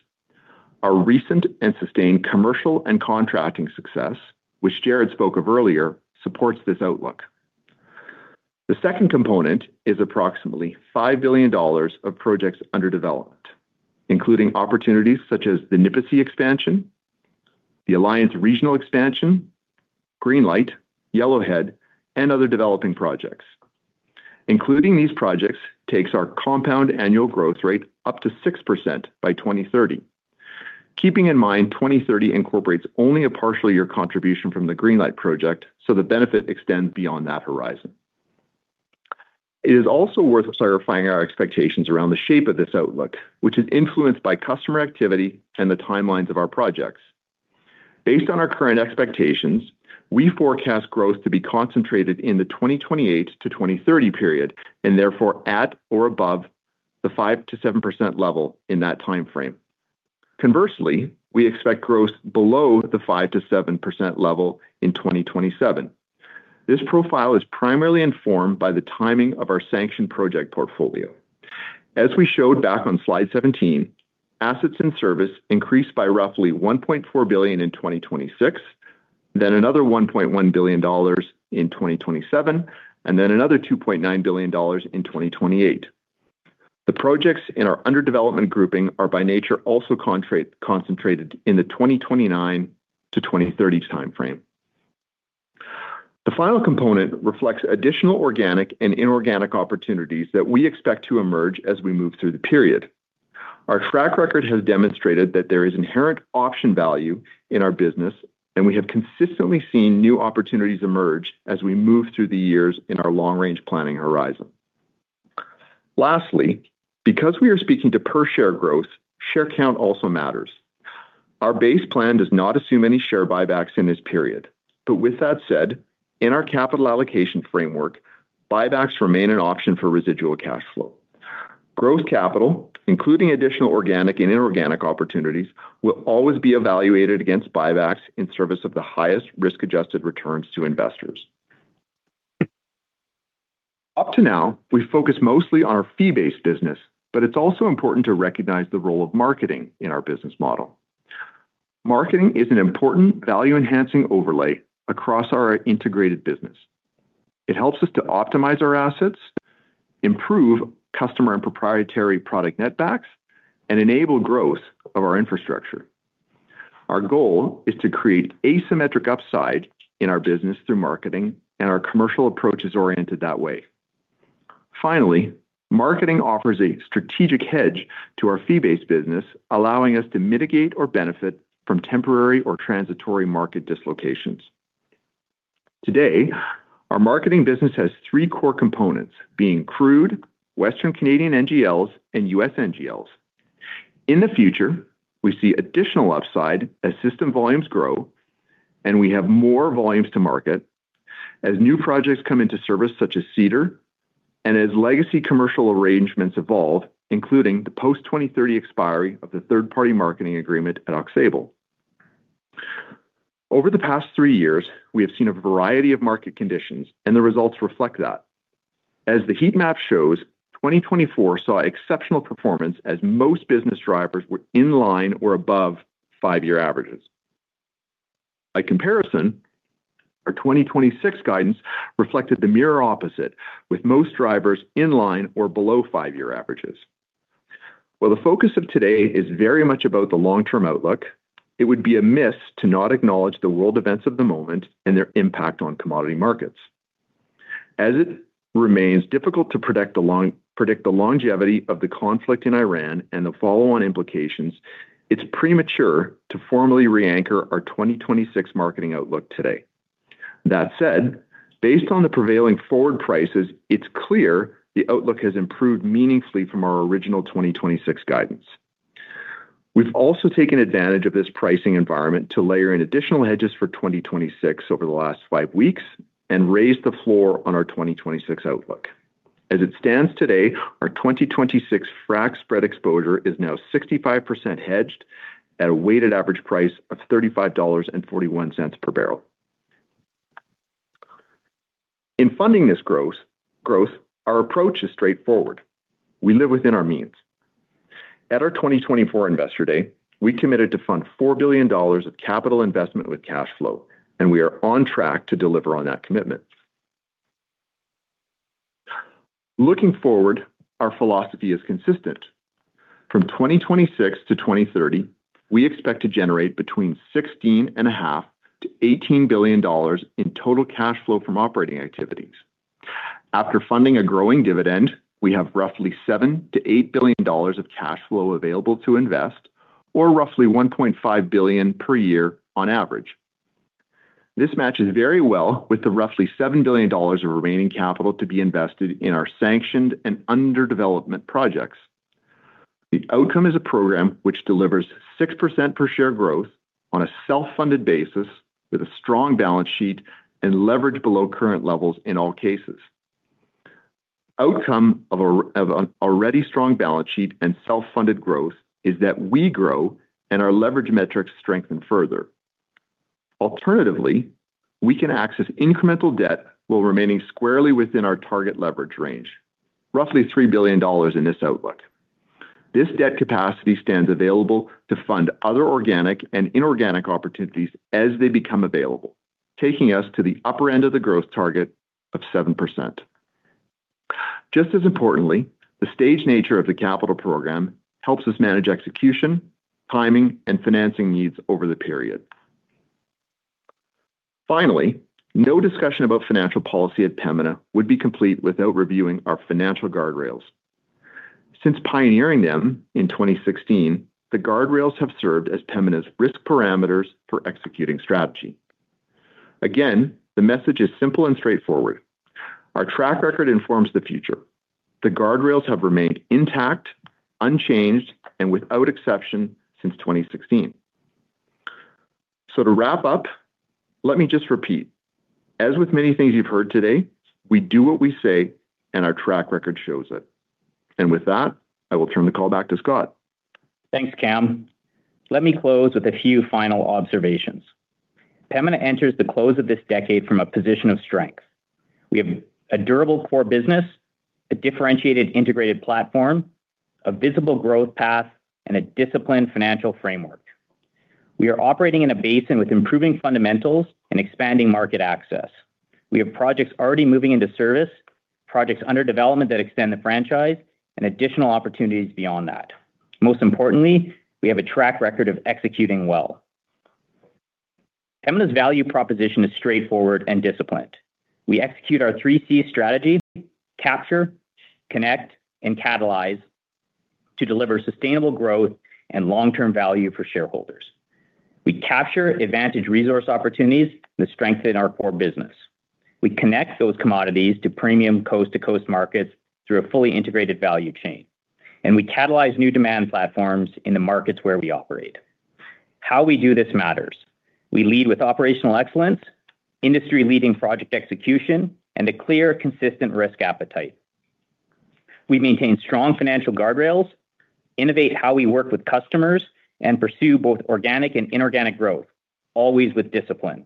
Our recent and sustained commercial and contracting success, which Jaret spoke of earlier, supports this outlook. The second component is approximately 5 billion dollars of projects under development, including opportunities such as the Nipisi expansion, the Alliance regional expansion, Greenlight, Yellowhead, and other developing projects. Including these projects takes our compound annual growth rate up to 6% by 2030. Keeping in mind, 2030 incorporates only a partial year contribution from the Greenlight project, so the benefit extends beyond that horizon. It is also worth clarifying our expectations around the shape of this outlook, which is influenced by customer activity and the timelines of our projects. Based on our current expectations, we forecast growth to be concentrated in the 2028-2030 period, and therefore at or above the 5%-7% level in that timeframe. Conversely, we expect growth below the 5%-7% level in 2027. This profile is primarily informed by the timing of our sanctioned project portfolio. As we showed back on slide 17, assets and service increased by roughly 1.4 billion in 2026, then another 1.1 billion dollars in 2027, and then another 2.9 billion dollars in 2028. The projects in our under development grouping are by nature also concentrated in the 2029-2030 timeframe. The final component reflects additional organic and inorganic opportunities that we expect to emerge as we move through the period. Our track record has demonstrated that there is inherent option value in our business, and we have consistently seen new opportunities emerge as we move through the years in our long-range planning horizon. Lastly, because we are speaking to per-share growth, share count also matters. Our base plan does not assume any share buybacks in this period. With that said, in our capital allocation framework, buybacks remain an option for residual cash flow. Growth capital, including additional organic and inorganic opportunities, will always be evaluated against buybacks in service of the highest risk-adjusted returns to investors. Up to now, we've focused mostly on our fee-based business, but it's also important to recognize the role of marketing in our business model. Marketing is an important value-enhancing overlay across our integrated business. It helps us to optimize our assets, improve customer and proprietary product netbacks, and enable growth of our infrastructure. Our goal is to create asymmetric upside in our business through marketing, and our commercial approach is oriented that way. Finally, marketing offers a strategic hedge to our fee-based business, allowing us to mitigate or benefit from temporary or transitory market dislocations. Today, our marketing business has three core components, being crude, Western Canadian NGLs, and U.S. NGLs. In the future, we see additional upside as system volumes grow and we have more volumes to market as new projects come into service such as Cedar, and as legacy commercial arrangements evolve, including the post-2030 expiry of the third-party marketing agreement at Aux Sable. Over the past three years, we have seen a variety of market conditions, and the results reflect that. As the heat map shows, 2024 saw exceptional performance as most business drivers were in line or above five-year averages. By comparison, our 2026 guidance reflected the mirror opposite, with most drivers in line or below five-year averages. While the focus of today is very much about the long-term outlook, it would be amiss to not acknowledge the world events of the moment and their impact on commodity markets. As it remains difficult to predict the longevity of the conflict in Iran and the follow-on implications, it's premature to formally re-anchor our 2026 marketing outlook today. That said, based on the prevailing forward prices, it's clear the outlook has improved meaningfully from our original 2026 guidance. We've also taken advantage of this pricing environment to layer in additional hedges for 2026 over the last five weeks and raise the floor on our 2026 outlook. As it stands today, our 2026 frac spread exposure is now 65% hedged at a weighted average price of $35.41 per barrel. In funding this growth, our approach is straightforward. We live within our means. At our 2024 Investor Day, we committed to fund 4 billion dollars of capital investment with cash flow, and we are on track to deliver on that commitment. Looking forward, our philosophy is consistent. From 2026-2030, we expect to generate between 16.5 billion-18 billion dollars in total cash flow from operating activities. After funding a growing dividend, we have roughly 7 billion-8 billion dollars of cash flow available to invest, or roughly 1.5 billion per year on average. This matches very well with the roughly 7 billion dollars of remaining capital to be invested in our sanctioned and under development projects. The outcome is a program which delivers 6% per share growth on a self-funded basis with a strong balance sheet and leverage below current levels in all cases. Outcome of an already strong balance sheet and self-funded growth is that we grow and our leverage metrics strengthen further. Alternatively, we can access incremental debt while remaining squarely within our target leverage range, roughly 3 billion dollars in this outlook. This debt capacity stands available to fund other organic and inorganic opportunities as they become available, taking us to the upper end of the growth target of 7%. Just as importantly, the stage nature of the capital program helps us manage execution, timing, and financing needs over the period. Finally, no discussion about financial policy at Pembina would be complete without reviewing our financial guardrails. Since pioneering them in 2016, the guardrails have served as Pembina's risk parameters for executing strategy. Again, the message is simple and straightforward. Our track record informs the future. The guardrails have remained intact, unchanged, and without exception since 2016. To wrap up, let me just repeat. As with many things you've heard today, we do what we say and our track record shows it. With that, I will turn the call back to Scott. Thanks, Cam. Let me close with a few final observations. Pembina enters the close of this decade from a position of strength. We have a durable core business, a differentiated integrated platform, a visible growth path, and a disciplined financial framework. We are operating in a basin with improving fundamentals and expanding market access. We have projects already moving into service. Projects under development that extend the franchise and additional opportunities beyond that. Most importantly, we have a track record of executing well. Pembina's value proposition is straightforward and disciplined. We execute our 3Cs strategy, Capture, Connect, and Catalyze, to deliver sustainable growth and long-term value for shareholders. We capture advantage resource opportunities that strengthen our core business. We connect those commodities to premium coast-to-coast markets through a fully integrated value chain. We catalyze new demand platforms in the markets where we operate. How we do this matters. We lead with operational excellence, industry-leading project execution, and a clear, consistent risk appetite. We maintain strong financial guardrails, innovate how we work with customers, and pursue both organic and inorganic growth, always with discipline.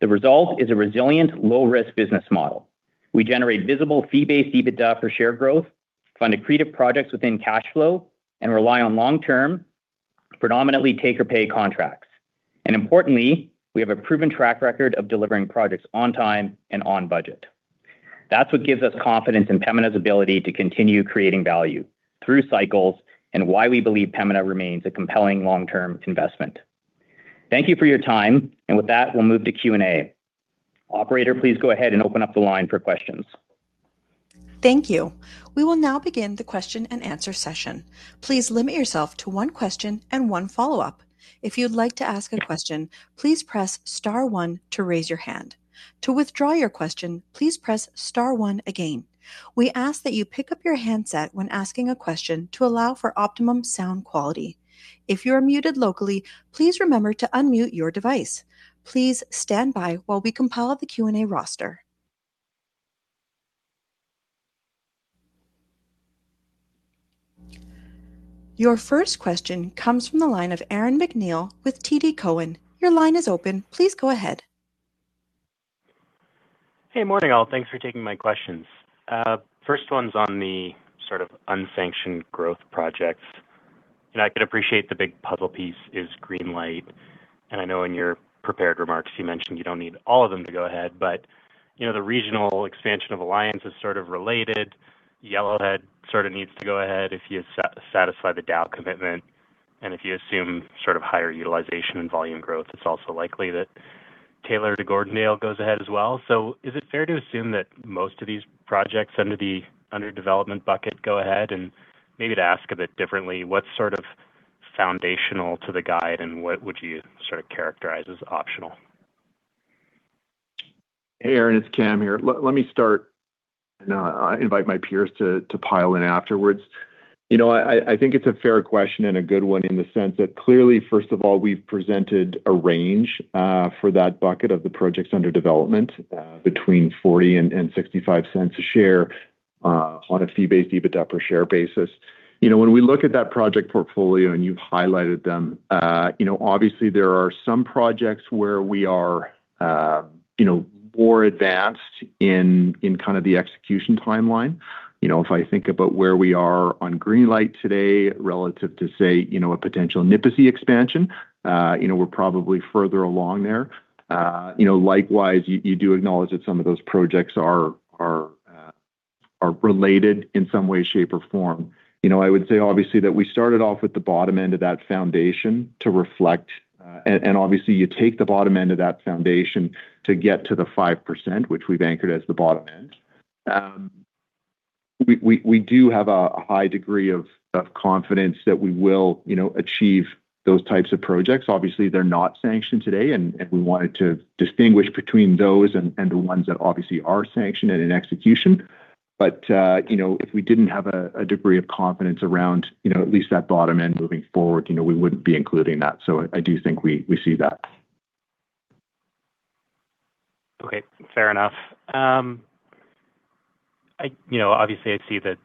The result is a resilient, low-risk business model. We generate visible fee-based EBITDA for share growth, fund accretive projects within cash flow, and rely on long-term, predominantly take-or-pay contracts. Importantly, we have a proven track record of delivering projects on time and on budget. That's what gives us confidence in Pembina's ability to continue creating value through cycles and why we believe Pembina remains a compelling long-term investment. Thank you for your time. With that, we'll move to Q&A. Operator, please go ahead and open up the line for questions. Thank you. We will now begin the question and answer session. Please limit yourself to one question and one follow-up. If you'd like to ask a question, please press star one to raise your hand. To withdraw your question, please press star one again. We ask that you pick up your handset when asking a question to allow for optimum sound quality. If you are muted locally, please remember to unmute your device. Please stand by while we compile the Q&A roster. Your first question comes from the line of Aaron MacNeil with TD Cowen. Your line is open. Please go ahead. Hey, morning all. Thanks for taking my questions. First one's on the sort of unsanctioned growth projects. I could appreciate the big puzzle piece is Greenlight, and I know in your prepared remarks you mentioned you don't need all of them to go ahead, but the regional expansion of Alliance is sort of related. Yellowhead sort of needs to go ahead if you satisfy the Dow commitment, and if you assume sort of higher utilization and volume growth, it's also likely that Taylor to Gordondale goes ahead as well. Is it fair to assume that most of these projects under development bucket go ahead? Maybe to ask a bit differently, what's sort of foundational to the guide, and what would you sort of characterize as optional? Hey, Aaron, it's Cam here. Let me start, and I invite my peers to pile in afterwards. I think it's a fair question and a good one in the sense that clearly, first of all, we've presented a range for that bucket of the projects under development between 0.40-0.65 per share on a fee-based EBITDA per share basis. When we look at that project portfolio, and you've highlighted them, obviously there are some projects where we are more advanced in kind of the execution timeline. If I think about where we are on Greenlight today relative to, say, a potential Nipisi expansion, we're probably further along there. Likewise, you do acknowledge that some of those projects are related in some way, shape, or form. I would say, obviously, that we started off with the bottom end of that foundation to reflect. Obviously, you take the bottom end of that foundation to get to the 5%, which we've anchored as the bottom end. We do have a high degree of confidence that we will achieve those types of projects. Obviously, they're not sanctioned today, and we wanted to distinguish between those and the ones that obviously are sanctioned and in execution. But if we didn't have a degree of confidence around at least that bottom end moving forward, we wouldn't be including that. I do think we see that. Okay. Fair enough. Obviously, I see the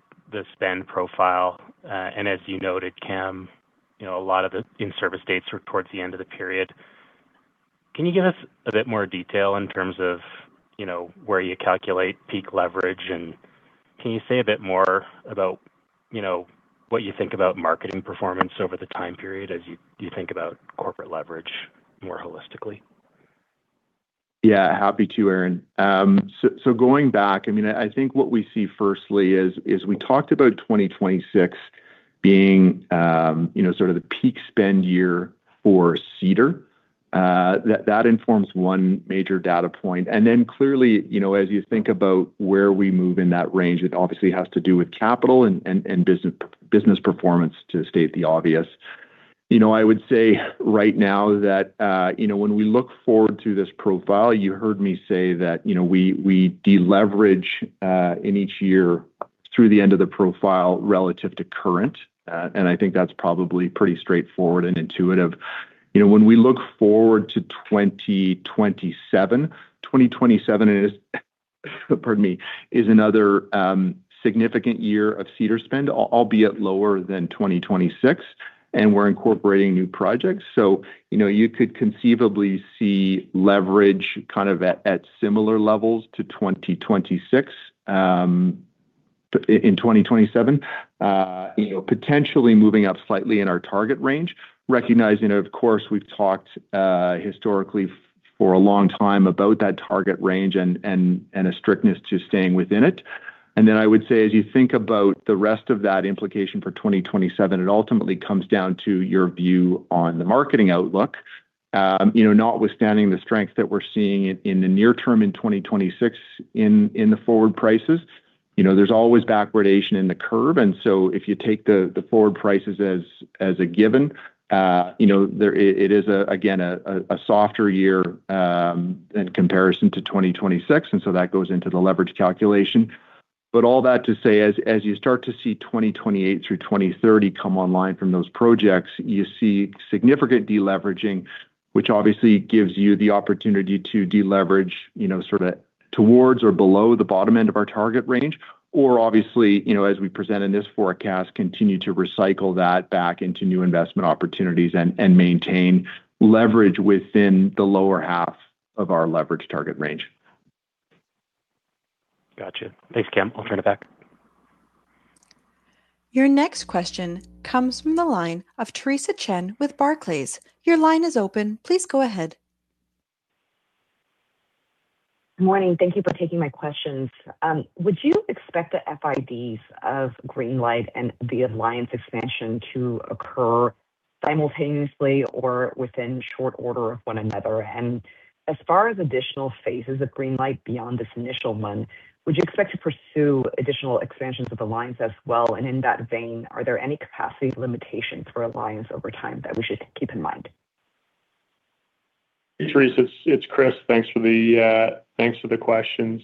spend profile. As you noted, Cam, a lot of the in-service dates are towards the end of the period. Can you give us a bit more detail in terms of where you calculate peak leverage? Can you say a bit more about what you think about marketing performance over the time period as you think about corporate leverage more holistically? Yeah. Happy to, Aaron. Going back, I think what we see firstly is we talked about 2026 being sort of the peak spend year for Cedar. That informs one major data point. Clearly, as you think about where we move in that range, it obviously has to do with capital and business performance, to state the obvious. I would say right now that when we look forward through this profile, you heard me say that we de-leverage in each year through the end of the profile relative to current. I think that's probably pretty straightforward and intuitive. When we look forward to 2027, pardon me, is another significant year of Cedar spend, albeit lower than 2026, and we're incorporating new projects. You could conceivably see leverage kind of at similar levels to 2026. In 2027, potentially moving up slightly in our target range, recognizing, of course, we've talked historically for a long time about that target range and a strictness to staying within it. I would say as you think about the rest of that implication for 2027, it ultimately comes down to your view on the marketing outlook. Notwithstanding the strength that we're seeing in the near term in 2026 in the forward prices, there's always backwardation in the curve. If you take the forward prices as a given, it is, again, a softer year in comparison to 2026. That goes into the leverage calculation. All that to say, as you start to see 2028 through 2030 come online from those projects, you see significant de-leveraging, which obviously gives you the opportunity to de-leverage sort of towards or below the bottom end of our target range. Obviously, as we present in this forecast, continue to recycle that back into new investment opportunities and maintain leverage within the lower half of our leverage target range. Got you. Thanks, Cam. I'll turn it back. Your next question comes from the line of Theresa Chen with Barclays. Your line is open. Please go ahead. Morning. Thank you for taking my questions. Would you expect the FIDs of Greenlight and the Alliance expansion to occur simultaneously or within short order of one another? As far as additional phases of Greenlight beyond this initial one, would you expect to pursue additional expansions of Alliance as well? In that vein, are there any capacity limitations for Alliance over time that we should keep in mind? Hey, Theresa, it's Chris. Thanks for the questions.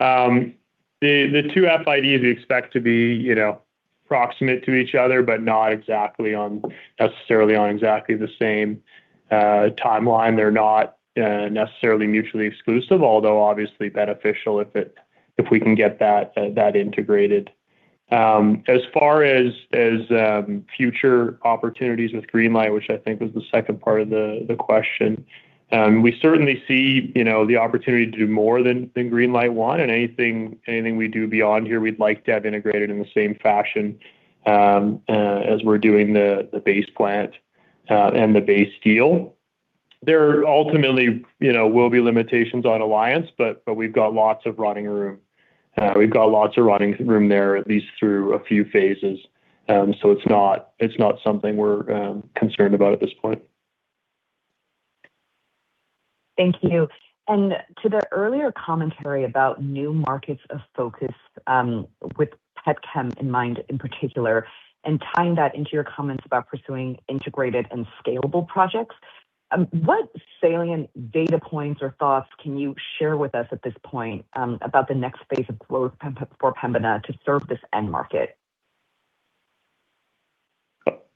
The two FIDs we expect to be proximate to each other, but not necessarily on exactly the same timeline. They're not necessarily mutually exclusive, although obviously beneficial if we can get that integrated. As far as future opportunities with Greenlight, which I think was the second part of the question, we certainly see the opportunity to do more than Greenlight one, and anything we do beyond here, we'd like to have integrated in the same fashion as we're doing the base plant and the base deal. There ultimately will be limitations on Alliance, but we've got lots of running room. We've got lots of running room there, at least through a few phases. It's not something we're concerned about at this point. Thank you. To the earlier commentary about new markets of focus with petchem in mind in particular, and tying that into your comments about pursuing integrated and scalable projects, what salient data points or thoughts can you share with us at this point about the next phase of growth for Pembina to serve this end market?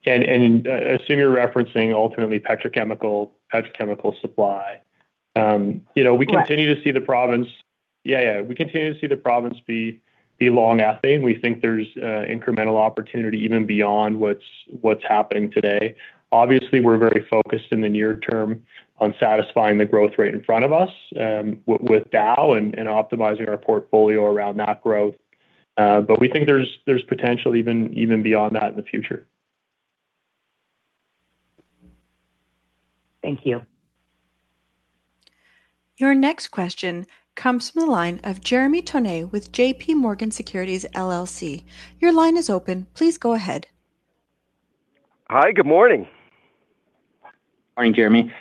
I assume you're referencing ultimately petrochemical supply. Correct. Yeah. We continue to see the province be long ethane. We think there's incremental opportunity even beyond what's happening today. Obviously, we're very focused in the near term on satisfying the growth rate in front of us with Dow and optimizing our portfolio around that growth. We think there's potential even beyond that in the future. Thank you. Your next question comes from the line of Jeremy Tonet with JP Morgan Securities LLC. Your line is open. Please go ahead. Hi, good morning. Morning, Jeremy.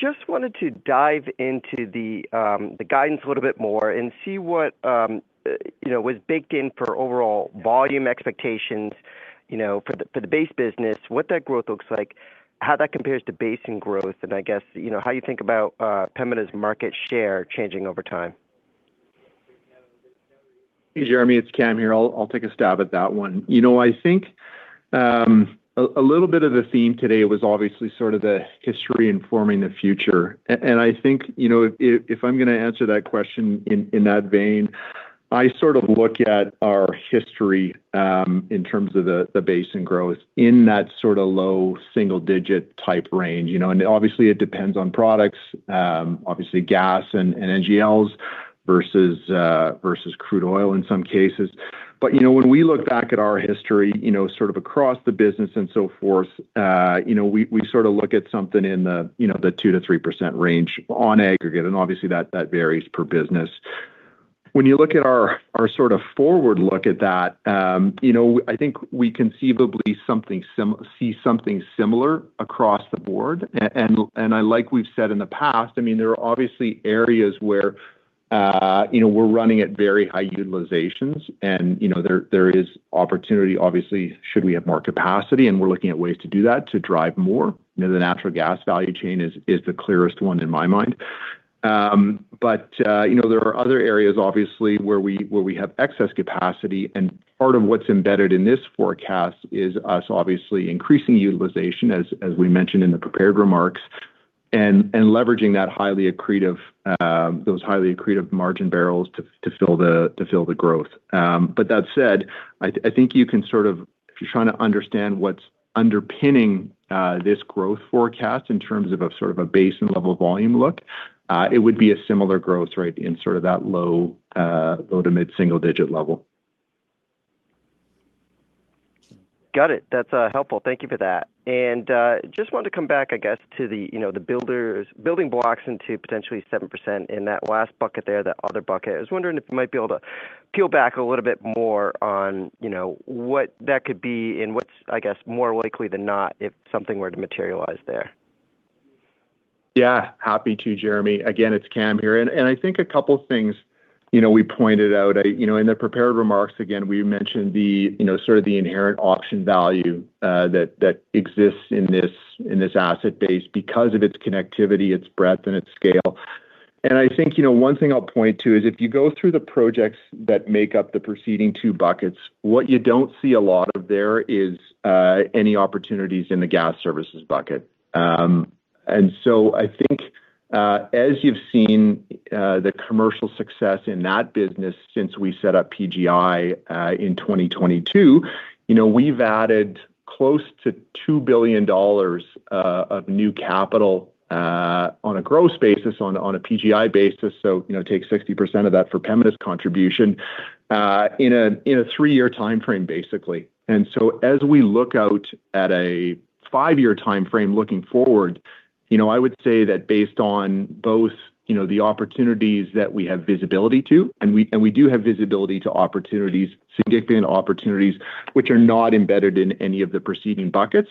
Just wanted to dive into the guidance a little bit more and see what was baked in for overall volume expectations, for the base business, what that growth looks like, how that compares to basin growth, and I guess, how you think about Pembina's market share changing over time. Hey, Jeremy, it's Cam here. I'll take a stab at that one. I think a little bit of the theme today was obviously sort of the history informing the future. I think, if I'm going to answer that question in that vein, I sort of look at our history, in terms of the basin growth in that sort of low single-digit type range. Obviously, it depends on products, obviously gas and NGLs versus crude oil in some cases. When we look back at our history sort of across the business and so forth, we sort of look at something in the 2%-3% range on aggregate, and obviously that varies per business. When you look at our sort of forward look at that, I think we conceivably see something similar across the board. Like we've said in the past, I mean, there are obviously areas where we're running at very high utilizations and there is opportunity, obviously, should we have more capacity, and we're looking at ways to do that to drive more. The natural gas value chain is the clearest one in my mind. There are other areas, obviously, where we have excess capacity and part of what's embedded in this forecast is us obviously increasing utilization as we mentioned in the prepared remarks, and leveraging those highly accretive margin barrels to fill the growth. That said, I think you can sort of, if you're trying to understand what's underpinning this growth forecast in terms of a sort of a base and level volume look, it would be a similar growth rate in sort of that low to mid-single digit level. Got it. That's helpful. Thank you for that. I just wanted to come back, I guess, to the building blocks into potentially 7% in that last bucket there, that other bucket. I was wondering if you might be able to peel back a little bit more on what that could be and what's, I guess, more likely than not, if something were to materialize there. Yeah, happy to, Jeremy. Again, it's Cam here. I think a couple things we pointed out. In the prepared remarks, again, we mentioned sort of the inherent option value that exists in this asset base because of its connectivity, its breadth, and its scale. I think one thing I'll point to is if you go through the projects that make up the preceding two buckets, what you don't see a lot of there is any opportunities in the gas services bucket. I think as you've seen the commercial success in that business since we set up PGI in 2022, we've added close to 2 billion dollars of new capital on a gross basis, on a PGI basis, so take 60% of that for Pembina's contribution, in a three-year timeframe, basically. As we look out at a five-year timeframe looking forward, I would say that based on both the opportunities that we have visibility to, and we do have visibility to opportunities, significant opportunities, which are not embedded in any of the preceding buckets,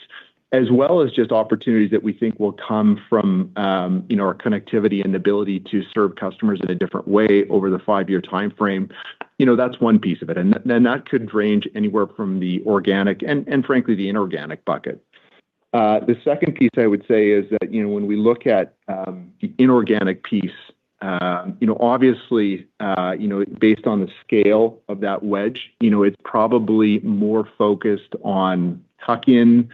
as well as just opportunities that we think will come from our connectivity and ability to serve customers in a different way over the five-year timeframe. That's one piece of it. That could range anywhere from the organic and frankly, the inorganic bucket. The second piece I would say is that, when we look at the inorganic piece, obviously, based on the scale of that wedge, it's probably more focused on tuck-in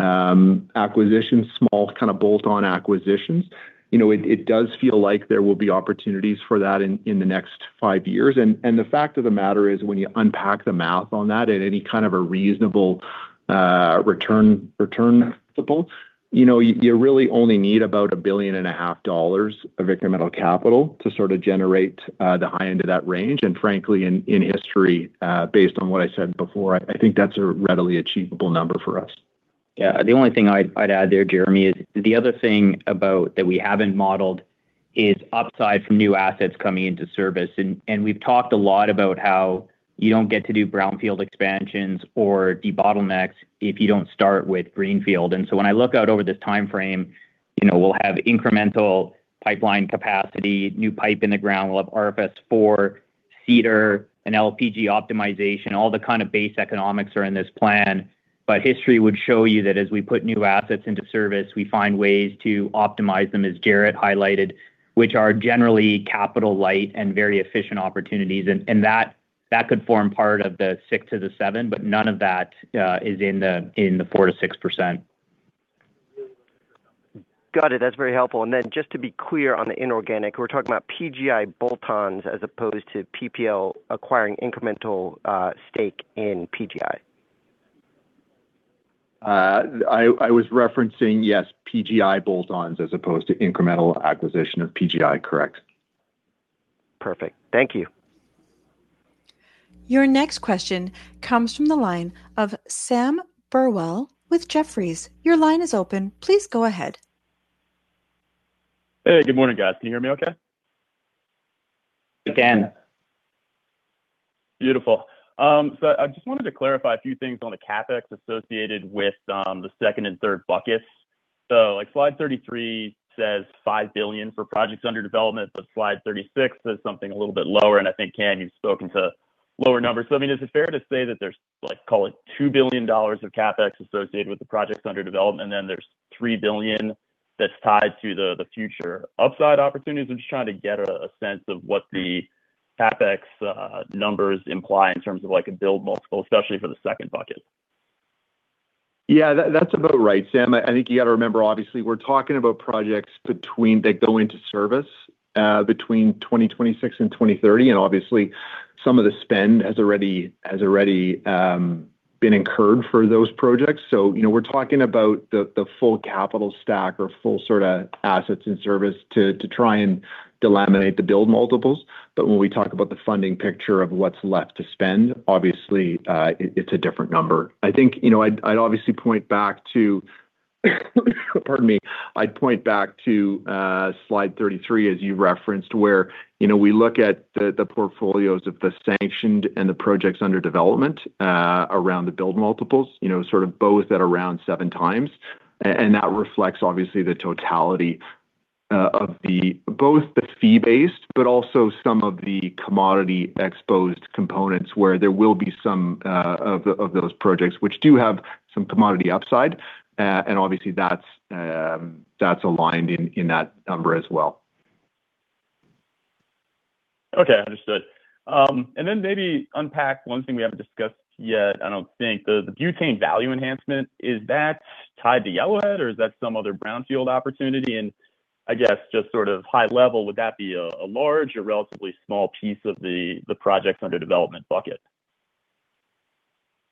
acquisitions, small kind of bolt-on acquisitions. It does feel like there will be opportunities for that in the next five years. The fact of the matter is, when you unpack the math on that at any kind of a reasonable return principle, you really only need about 1.5 billion of incremental capital to sort of generate the high end of that range. Frankly, in history, based on what I said before, I think that's a readily achievable number for us. Yeah. The only thing I'd add there, Jeremy, is the other thing about that we haven't modeled is upside from new assets coming into service. We've talked a lot about how you don't get to do brownfield expansions or debottlenecks if you don't start with greenfield. When I look out over this timeframe, we'll have incremental pipeline capacity, new pipe in the ground, we'll have RFS4, Cedar, and LPG optimization. All the kind of base economics are in this plan. History would show you that as we put new assets into service, we find ways to optimize them, as Jaret highlighted, which are generally capital light and very efficient opportunities. That could form part of the 6%-7%, but none of that is in the 4%-6%. Got it. That's very helpful. Just to be clear on the inorganic, we're talking about PGI bolt-ons as opposed to PPL acquiring incremental stake in PGI. I was referencing, yes, PGI bolt-ons as opposed to incremental acquisition of PGI. Correct. Perfect. Thank you. Your next question comes from the line of Sam Burwell with Jefferies. Your line is open. Please go ahead. Hey, good morning, guys. Can you hear me okay? We can. Beautiful. I just wanted to clarify a few things on the CapEx associated with the second and third buckets. Slide 33 says 5 billion for projects under development, but slide 36 says something a little bit lower, and I think, Cam, you've spoken to lower numbers. I mean, is it fair to say that there's, call it 2 billion dollars of CapEx associated with the projects under development, and then there's 3 billion that's tied to the future upside opportunities? I'm just trying to get a sense of what the CapEx numbers imply in terms of a build multiple, especially for the second bucket. Yeah. That's about right, Sam. I think you got to remember, obviously, we're talking about projects that go into service between 2026 and 2030. Obviously, some of the spend has already been incurred for those projects. We're talking about the full capital stack or full sort of assets in service to try and delineate the build multiples. When we talk about the funding picture of what's left to spend, obviously, it's a different number. I think, I'd obviously point back to. I'd point back to slide 33, as you referenced, where we look at the portfolios of the sanctioned and the projects under development around the build multiples, sort of both at around 7x. That reflects, obviously, the totality of both the fee-based, but also some of the commodity-exposed components where there will be some of those projects which do have some commodity upside. Obviously, that's aligned in that number as well. Okay. Understood. Maybe unpack one thing we haven't discussed yet, I don't think. The butane value enhancement, is that tied to Yellowhead or is that some other brownfield opportunity? I guess just high level, would that be a large or relatively small piece of the projects under development bucket?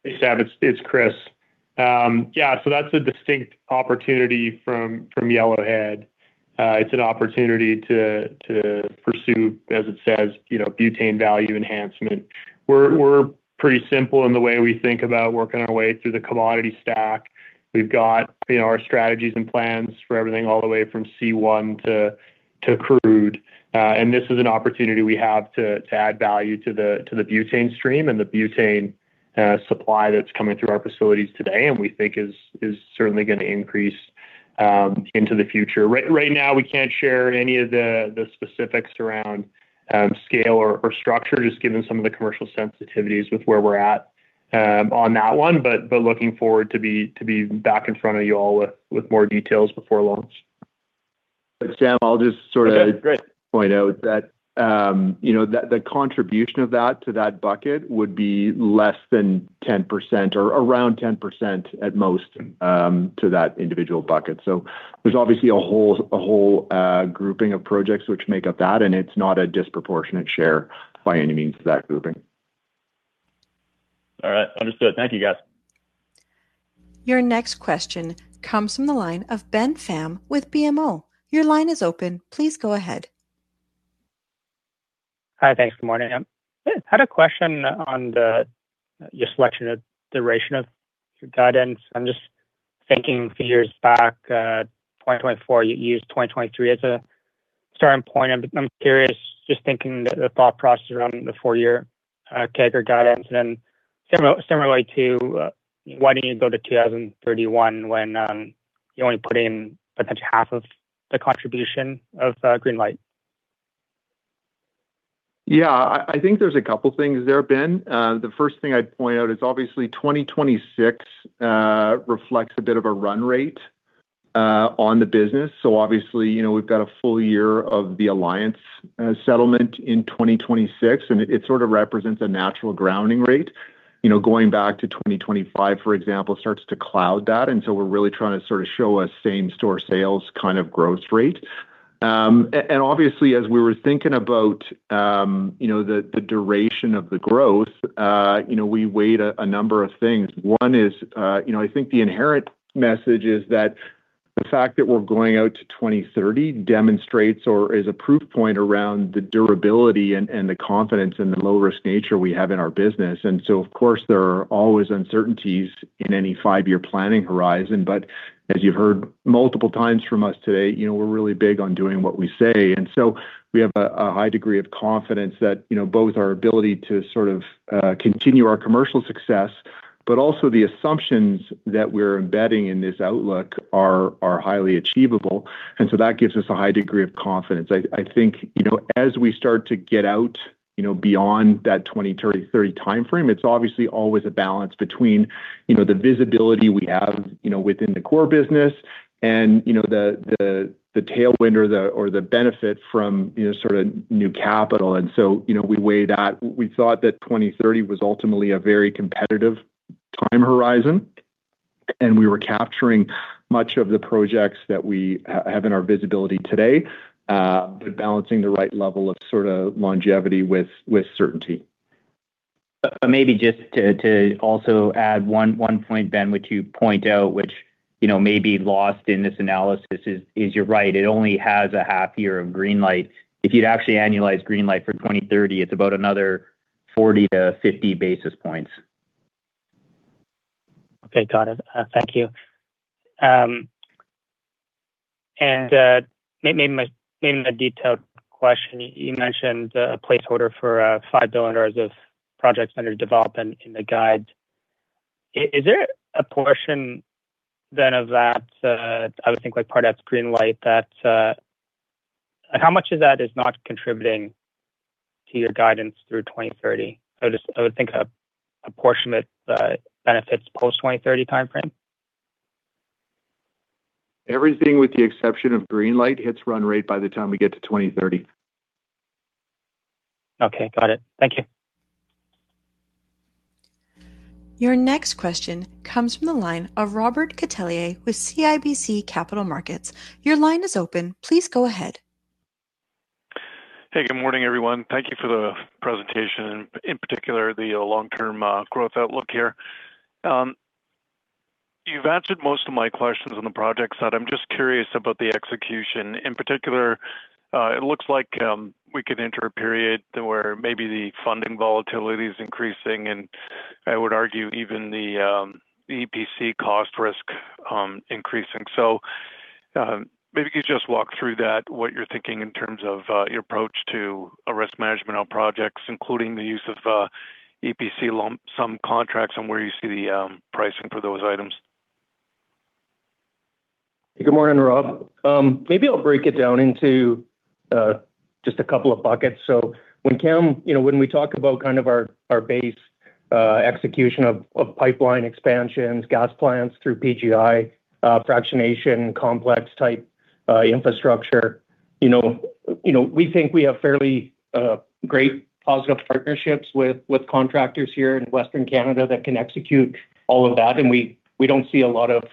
Hey, Sam, it's Chris. Yeah. That's a distinct opportunity from Yellowhead. It's an opportunity to pursue, as it says, butane value enhancement. We're pretty simple in the way we think about working our way through the commodity stack. We've got our strategies and plans for everything all the way from C1 to crude. This is an opportunity we have to add value to the butane stream and the butane supply that's coming through our facilities today, and we think is certainly going to increase into the future. Right now, we can't share any of the specifics around scale or structure, just given some of the commercial sensitivities with where we're at on that one, but looking forward to be back in front of you all with more details before launch. Sam, I'll just sort of- Okay, great. point out that the contribution of that to that bucket would be less than 10% or around 10% at most to that individual bucket. There's obviously a whole grouping of projects which make up that, and it's not a disproportionate share by any means to that grouping. All right. Understood. Thank you, guys. Your next question comes from the line of Ben Pham with BMO. Your line is open. Please go ahead. Hi. Thanks. Good morning. I had a question on the selection of duration of your guidance. I'm just thinking a few years back, 2024, you used 2023 as a starting point. I'm curious, just thinking the thought process around the four-year CAGR guidance, and then similarly to why didn't you go to 2031 when you only put in potentially half of the contribution of Greenlight? Yeah, I think there's a couple things there, Ben. The first thing I'd point out is obviously 2026 reflects a bit of a run rate on the business. Obviously, we've got a full year of the Alliance settlement in 2026, and it sort of represents a natural grounding rate. Going back to 2025, for example, starts to cloud that. We're really trying to show a same store sales kind of growth rate. Obviously, as we were thinking about the duration of the growth, we weighed a number of things. One is, I think the inherent message is that the fact that we're going out to 2030 demonstrates or is a proof point around the durability and the confidence in the low risk nature we have in our business. Of course, there are always uncertainties in any five-year planning horizon. As you've heard multiple times from us today, we're really big on doing what we say. We have a high degree of confidence that both our ability to sort of continue our commercial success, but also the assumptions that we're embedding in this outlook are highly achievable. That gives us a high degree of confidence. I think, as we start to get out beyond that 2030 timeframe, it's obviously always a balance between the visibility we have within the core business and the tailwind or the benefit from sort of new capital. We weigh that. We thought that 2030 was ultimately a very competitive time horizon, and we were capturing much of the projects that we have in our visibility today, but balancing the right level of sort of longevity with certainty. Maybe just to also add one point, Ben, which you point out, which may be lost in this analysis is, you're right, it only has a half year of Greenlight. If you'd actually annualize Greenlight for 2030, it's about another 40-50 basis points. Okay. Got it. Thank you. Maybe my detailed question, you mentioned a placeholder for 5 billion dollars of projects under development in the guide. Is there a portion then of that, I would think like part of that's Greenlight. How much of that is not contributing to your guidance through 2030? I would think a portion that benefits post-2030 timeframe. Everything with the exception of Greenlight hits run rate by the time we get to 2030. Okay. Got it. Thank you. Your next question comes from the line of Robert Catellier with CIBC Capital Markets. Your line is open. Please go ahead. Hey, good morning, everyone. Thank you for the presentation, in particular, the long-term growth outlook here. You've answered most of my questions on the project side. I'm just curious about the execution. In particular, it looks like we could enter a period where maybe the funding volatility is increasing, and I would argue even the EPC cost risk increasing. Maybe could you just walk through that, what you're thinking in terms of your approach to a risk management on projects, including the use of EPC lump sum contracts and where you see the pricing for those items? Good morning, Rob. Maybe I'll break it down into just a couple of buckets. When we talk about our base execution of pipeline expansions, gas plants through PGI fractionation, complex type infrastructure. We think we have fairly great positive partnerships with contractors here in Western Canada that can execute all of that, and we don't see a lot of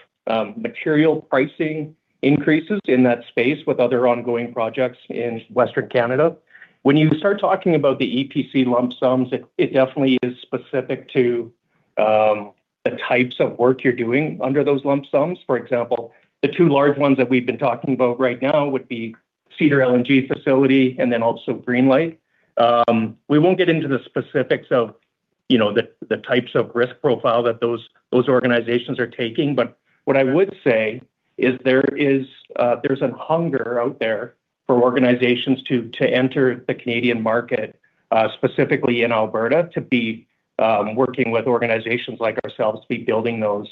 material pricing increases in that space with other ongoing projects in Western Canada. When you start talking about the EPC lump sums, it definitely is specific to the types of work you're doing under those lump sums. For example, the two large ones that we've been talking about right now would be Cedar LNG facility and then also Greenlight. We won't get into the specifics of the types of risk profile that those organizations are taking. What I would say is there's a hunger out there for organizations to enter the Canadian market, specifically in Alberta, to be working with organizations like ourselves to be building those.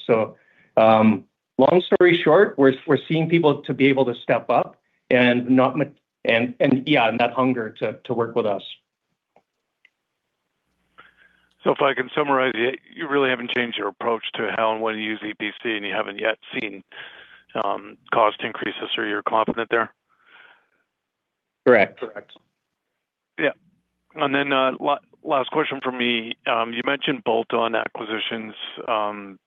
Long story short, we're seeing people to be able to step up and that hunger to work with us. If I can summarize it, you really haven't changed your approach to how and when you use EPC, and you haven't yet seen cost increases. You're confident there? Correct. Yeah. Last question from me. You mentioned bolt-on acquisitions,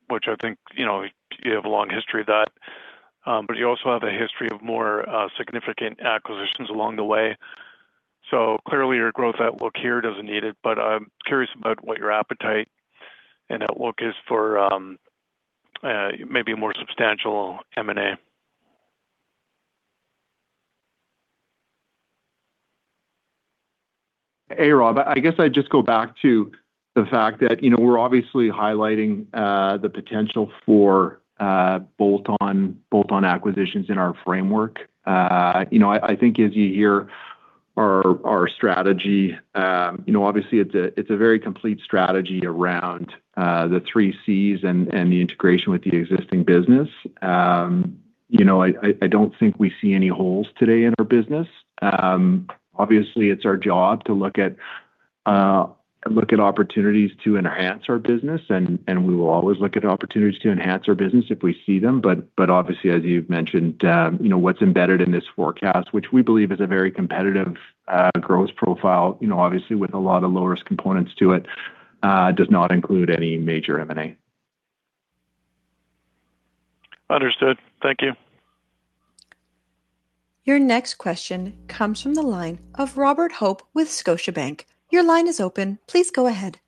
which I think you have a long history of that, but you also have a history of more significant acquisitions along the way. Clearly your growth outlook here doesn't need it, but I'm curious about what your appetite and outlook is for maybe a more substantial M&A. Hey, Rob. I guess I'd just go back to the fact that we're obviously highlighting the potential for bolt-on acquisitions in our framework. I think as you hear our strategy, obviously it's a very complete strategy around the 3Cs and the integration with the existing business. I don't think we see any holes today in our business. Obviously, it's our job to look at opportunities to enhance our business, and we will always look at opportunities to enhance our business if we see them. Obviously, as you've mentioned, what's embedded in this forecast, which we believe is a very competitive growth profile, obviously with a lot of low-risk components to it, does not include any major M&A. Understood. Thank you. Your next question comes from the line of Robert Hope with Scotiabank. Your line is open. Please go ahead.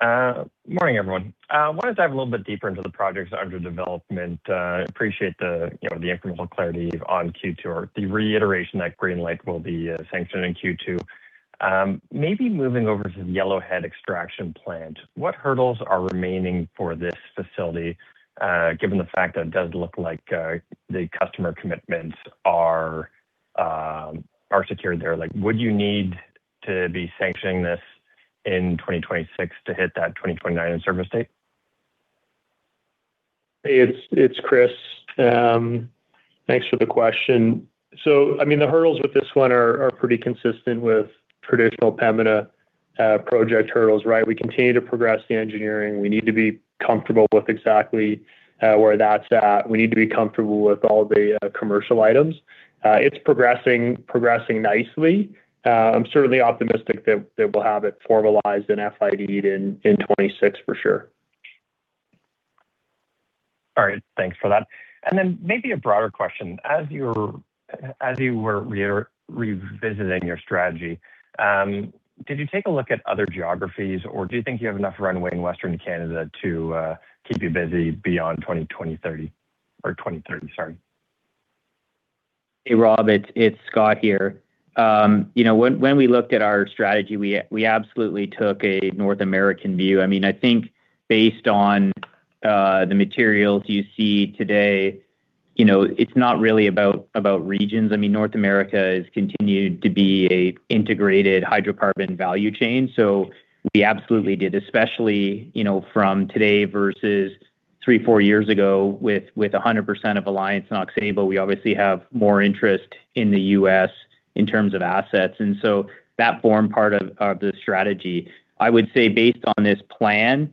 Morning, everyone. I want to dive a little bit deeper into the projects under development. Appreciate the incremental clarity on Q2 or the reiteration that Greenlight will be sanctioned in Q2. Maybe moving over to the Yellowhead extraction plant, what hurdles are remaining for this facility, given the fact that it does look like the customer commitments are secured there? Would you need to be sanctioning this in 2026 to hit that 2029 in-service date? It's Chris. Thanks for the question. The hurdles with this one are pretty consistent with traditional Pembina project hurdles, right? We continue to progress the engineering. We need to be comfortable with exactly where that's at. We need to be comfortable with all the commercial items. It's progressing nicely. I'm certainly optimistic that we'll have it formalized and FID'd in 2026 for sure. All right. Thanks for that. Maybe a broader question. As you were revisiting your strategy, did you take a look at other geographies, or do you think you have enough runway in Western Canada to keep you busy beyond 2030? Hey, Rob, it's Scott here. When we looked at our strategy, we absolutely took a North American view. I think based on the materials you see today, it's not really about regions. North America has continued to be an integrated hydrocarbon value chain. We absolutely did, especially from today versus three, four years ago with 100% of Alliance and Oxbow, we obviously have more interest in the U.S. in terms of assets. That formed part of the strategy. I would say based on this plan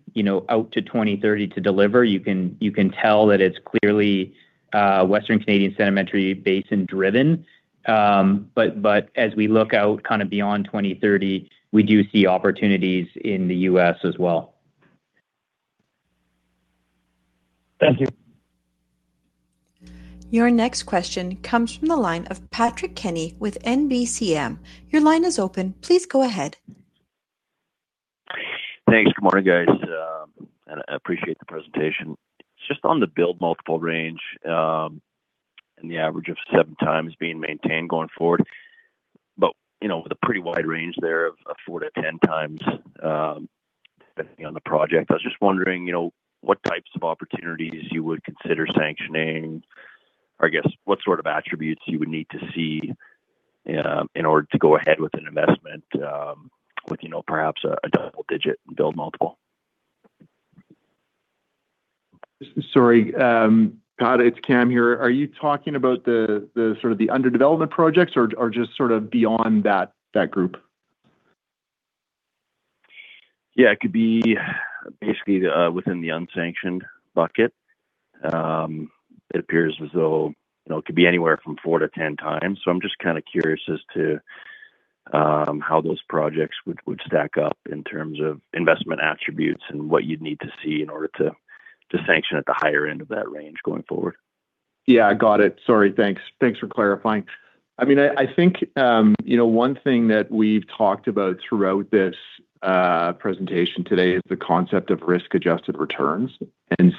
out to 2030 to deliver, you can tell that it's clearly Western Canadian Sedimentary Basin driven. As we look out beyond 2030, we do see opportunities in the U.S. as well. Thank you. Your next question comes from the line of Patrick Kenny with NBCF. Your line is open. Please go ahead. Thanks. Good morning, guys. I appreciate the presentation. Just on the build multiple range, and the average of 7x being maintained going forward. The pretty wide range there of 4x-10x, depending on the project. I was just wondering, what types of opportunities you would consider sanctioning, or I guess what sort of attributes you would need to see in order to go ahead with an investment with perhaps a double-digit build multiple? Sorry. Pat, it's Cam here. Are you talking about the under development projects or just sort of beyond that group? Yeah, it could be basically within the unsanctioned bucket. It appears as though it could be anywhere from 4x-10x. I'm just curious as to how those projects would stack up in terms of investment attributes and what you'd need to see in order to sanction at the higher end of that range going forward? Yeah, got it. Sorry. Thanks for clarifying. I think one thing that we've talked about throughout this presentation today is the concept of risk-adjusted returns.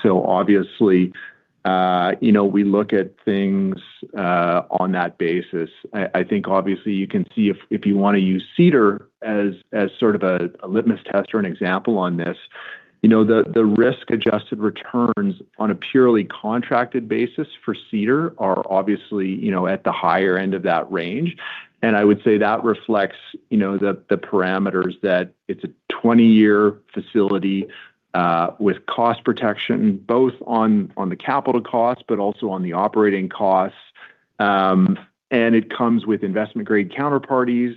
Obviously, we look at things on that basis. I think obviously you can see if you want to use Cedar as sort of a litmus test or an example on this, the risk-adjusted returns on a purely contracted basis for Cedar are obviously at the higher end of that range. I would say that reflects the parameters that it's a 20-year facility with cost protection, both on the capital costs, but also on the operating costs, and it comes with investment-grade counterparties,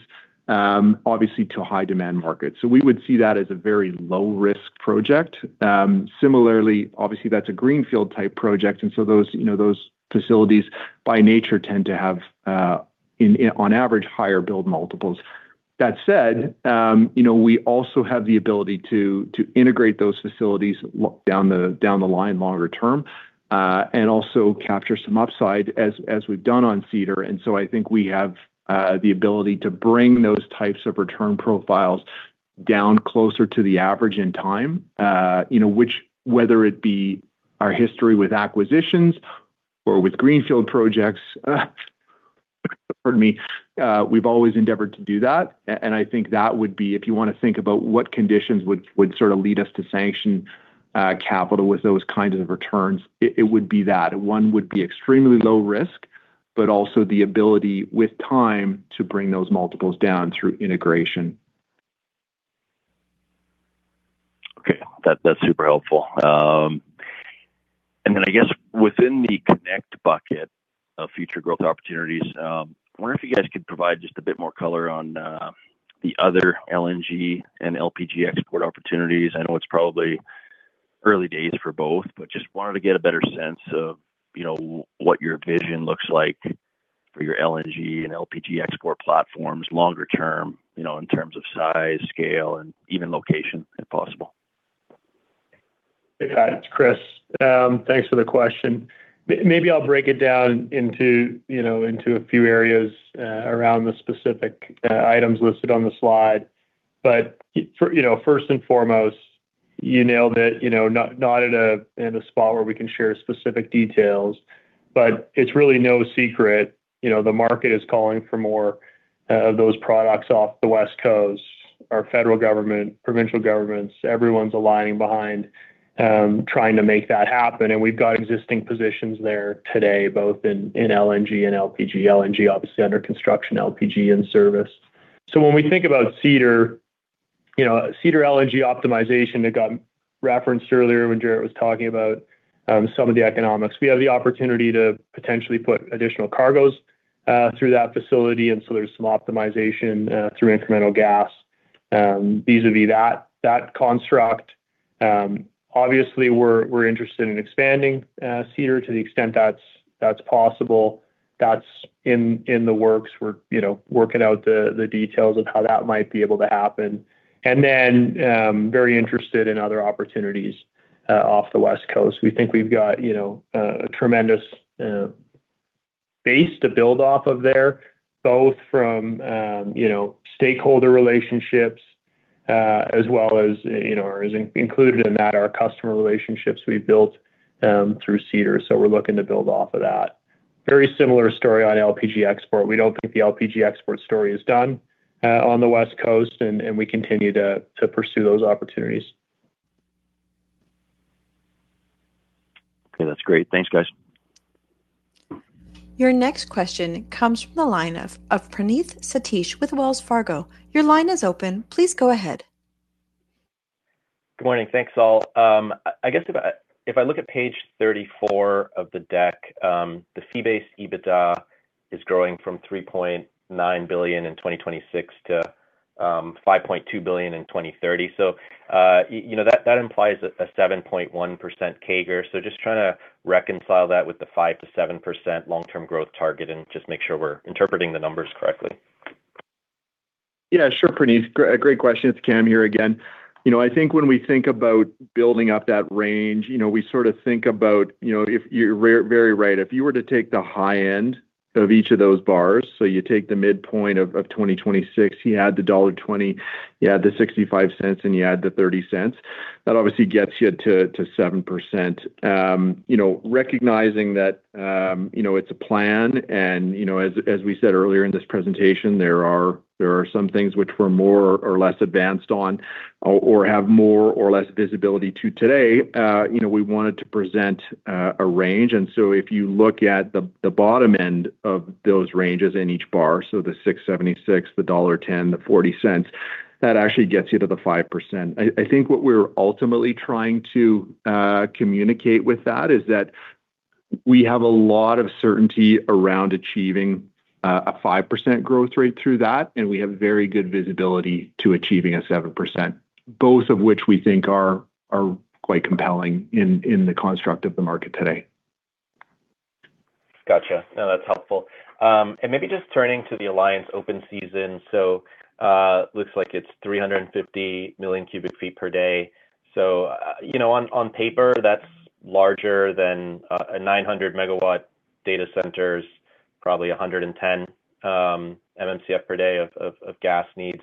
obviously to high demand markets. We would see that as a very low-risk project. Similarly, obviously that's a greenfield type project, and so those facilities by nature tend to have, on average, higher build multiples. That said, we also have the ability to integrate those facilities down the line longer term, and also capture some upside as we've done on Cedar. I think we have the ability to bring those types of return profiles down closer to the average in time, which whether it be our history with acquisitions or with greenfield projects pardon me, we've always endeavored to do that. I think that would be, if you want to think about what conditions would sort of lead us to sanction capital with those kinds of returns, it would be that. One would be extremely low risk, but also the ability with time to bring those multiples down through integration. Okay. That's super helpful. I guess within the connect bucket of future growth opportunities, I wonder if you guys could provide just a bit more color on the other LNG and LPG export opportunities. I know it's probably early days for both, but just wanted to get a better sense of what your vision looks like for your LNG and LPG export platforms longer term, in terms of size, scale, and even location, if possible. Hey, guys, it's Chris. Thanks for the question. Maybe I'll break it down into a few areas around the specific items listed on the slide. First and foremost, you nailed it. Not in a spot where we can share specific details, but it's really no secret the market is calling for more of those products off the West Coast. Our federal government, provincial governments, everyone's aligning behind trying to make that happen. We've got existing positions there today, both in LNG and LPG. LNG, obviously under construction, LPG in service. When we think about Cedar LNG optimization that got referenced earlier when Jaret was talking about some of the economics, we have the opportunity to potentially put additional cargoes through that facility, and so there's some optimization through incremental gas vis-à-vis that construct. Obviously, we're interested in expanding Cedar to the extent that's possible. That's in the works. We're working out the details of how that might be able to happen. Very interested in other opportunities off the West Coast. We think we've got a tremendous base to build off of there, both from stakeholder relationships, as well as included in that, our customer relationships we've built through Cedar. We're looking to build off of that. Very similar story on LPG export. We don't think the LPG export story is done on the West Coast, and we continue to pursue those opportunities. Okay, that's great. Thanks, guys. Your next question comes from the line of Praneeth Satish with Wells Fargo. Your line is open. Please go ahead. Good morning. Thanks, all. I guess if I look at page 34 of the deck, the fee-based EBITDA is growing from 3.9 billion in 2026 to 5.2 billion in 2030. That implies a 7.1% CAGR. Just trying to reconcile that with the 5%-7% long-term growth target and just make sure we're interpreting the numbers correctly. Yeah, sure, Praneeth. Great question. It's Cam here again. I think when we think about building up that range, we sort of think about, you're very right. If you were to take the high end of each of those bars, so you take the midpoint of 2026, you add the dollar 1.20, you add the 0.65, and you add the 0.30. That obviously gets you to 7%. Recognizing that it's a plan, and as we said earlier in this presentation, there are some things which we're more or less advanced on or have more or less visibility to today. We wanted to present a range, and so if you look at the bottom end of those ranges in each bar, so the 6.76, the dollar 1.10, the 0.40, that actually gets you to the 5%. I think what we're ultimately trying to communicate with that is that we have a lot of certainty around achieving a 5% growth rate through that, and we have very good visibility to achieving a 7%, both of which we think are quite compelling in the construct of the market today. Got you. No, that's helpful. Maybe just turning to the Alliance open season, so looks like it's 350 MMcf/d. On paper, that's larger than a 900-MW data centers, probably 110 MMcf/d of gas needs.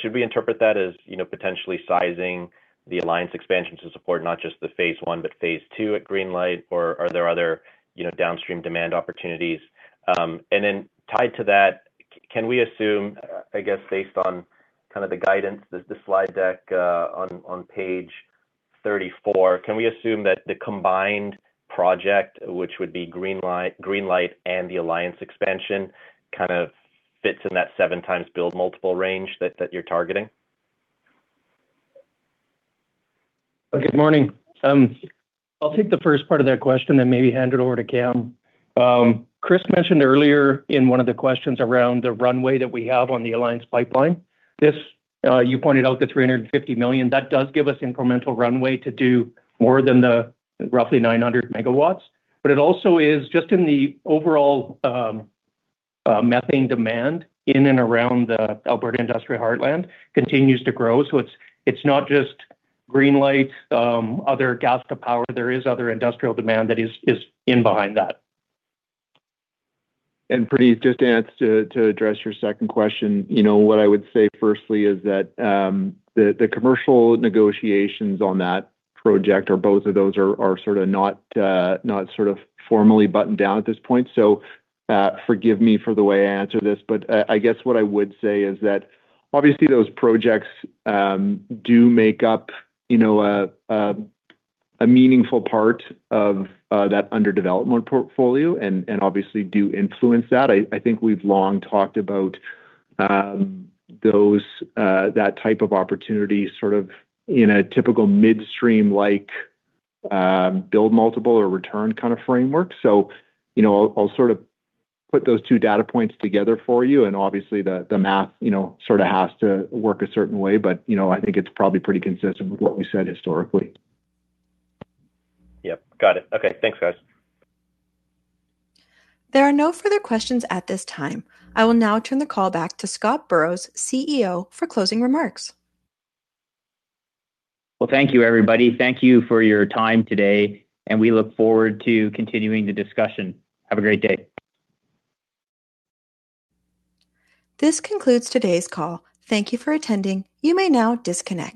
Should we interpret that as potentially sizing the Alliance expansion to support not just the phase one but phase two at Greenlight, or are there other downstream demand opportunities? Then tied to that, can we assume, I guess, based on kind of the guidance, the slide deck on page 34, can we assume that the combined project, which would be Greenlight and the Alliance expansion, kind of fits in that 7x build multiple range that you're targeting? Good morning. I'll take the first part of that question, then maybe hand it over to Cam. Chris mentioned earlier in one of the questions around the runway that we have on the Alliance Pipeline. This, you pointed out the 350 million. That does give us incremental runway to do more than the roughly 900 MW. It also is just in the overall methane demand in and around the Alberta Industrial Heartland continues to grow. It's not just Greenlight, other gas to power. There is other industrial demand that is in behind that. Just, anse, to address your second question, what I would say firstly is that, the commercial negotiations on that project or both of those are sort of not formally buttoned down at this point. Forgive me for the way I answer this, but I guess what I would say is that obviously those projects do make up a meaningful part of that under-development portfolio and obviously do influence that. I think we've long talked about that type of opportunity, sort of in a typical midstream-like build multiple or return kind of framework. I'll sort of put those two data points together for you, and obviously the math sort of has to work a certain way. I think it's probably pretty consistent with what we said historically. Yep. Got it. Okay. Thanks, guys. There are no further questions at this time. I will now turn the call back to Scott Burrows, CEO, for closing remarks. Well, thank you, everybody. Thank you for your time today, and we look forward to continuing the discussion. Have a great day. This concludes today's call. Thank you for attending. You may now disconnect.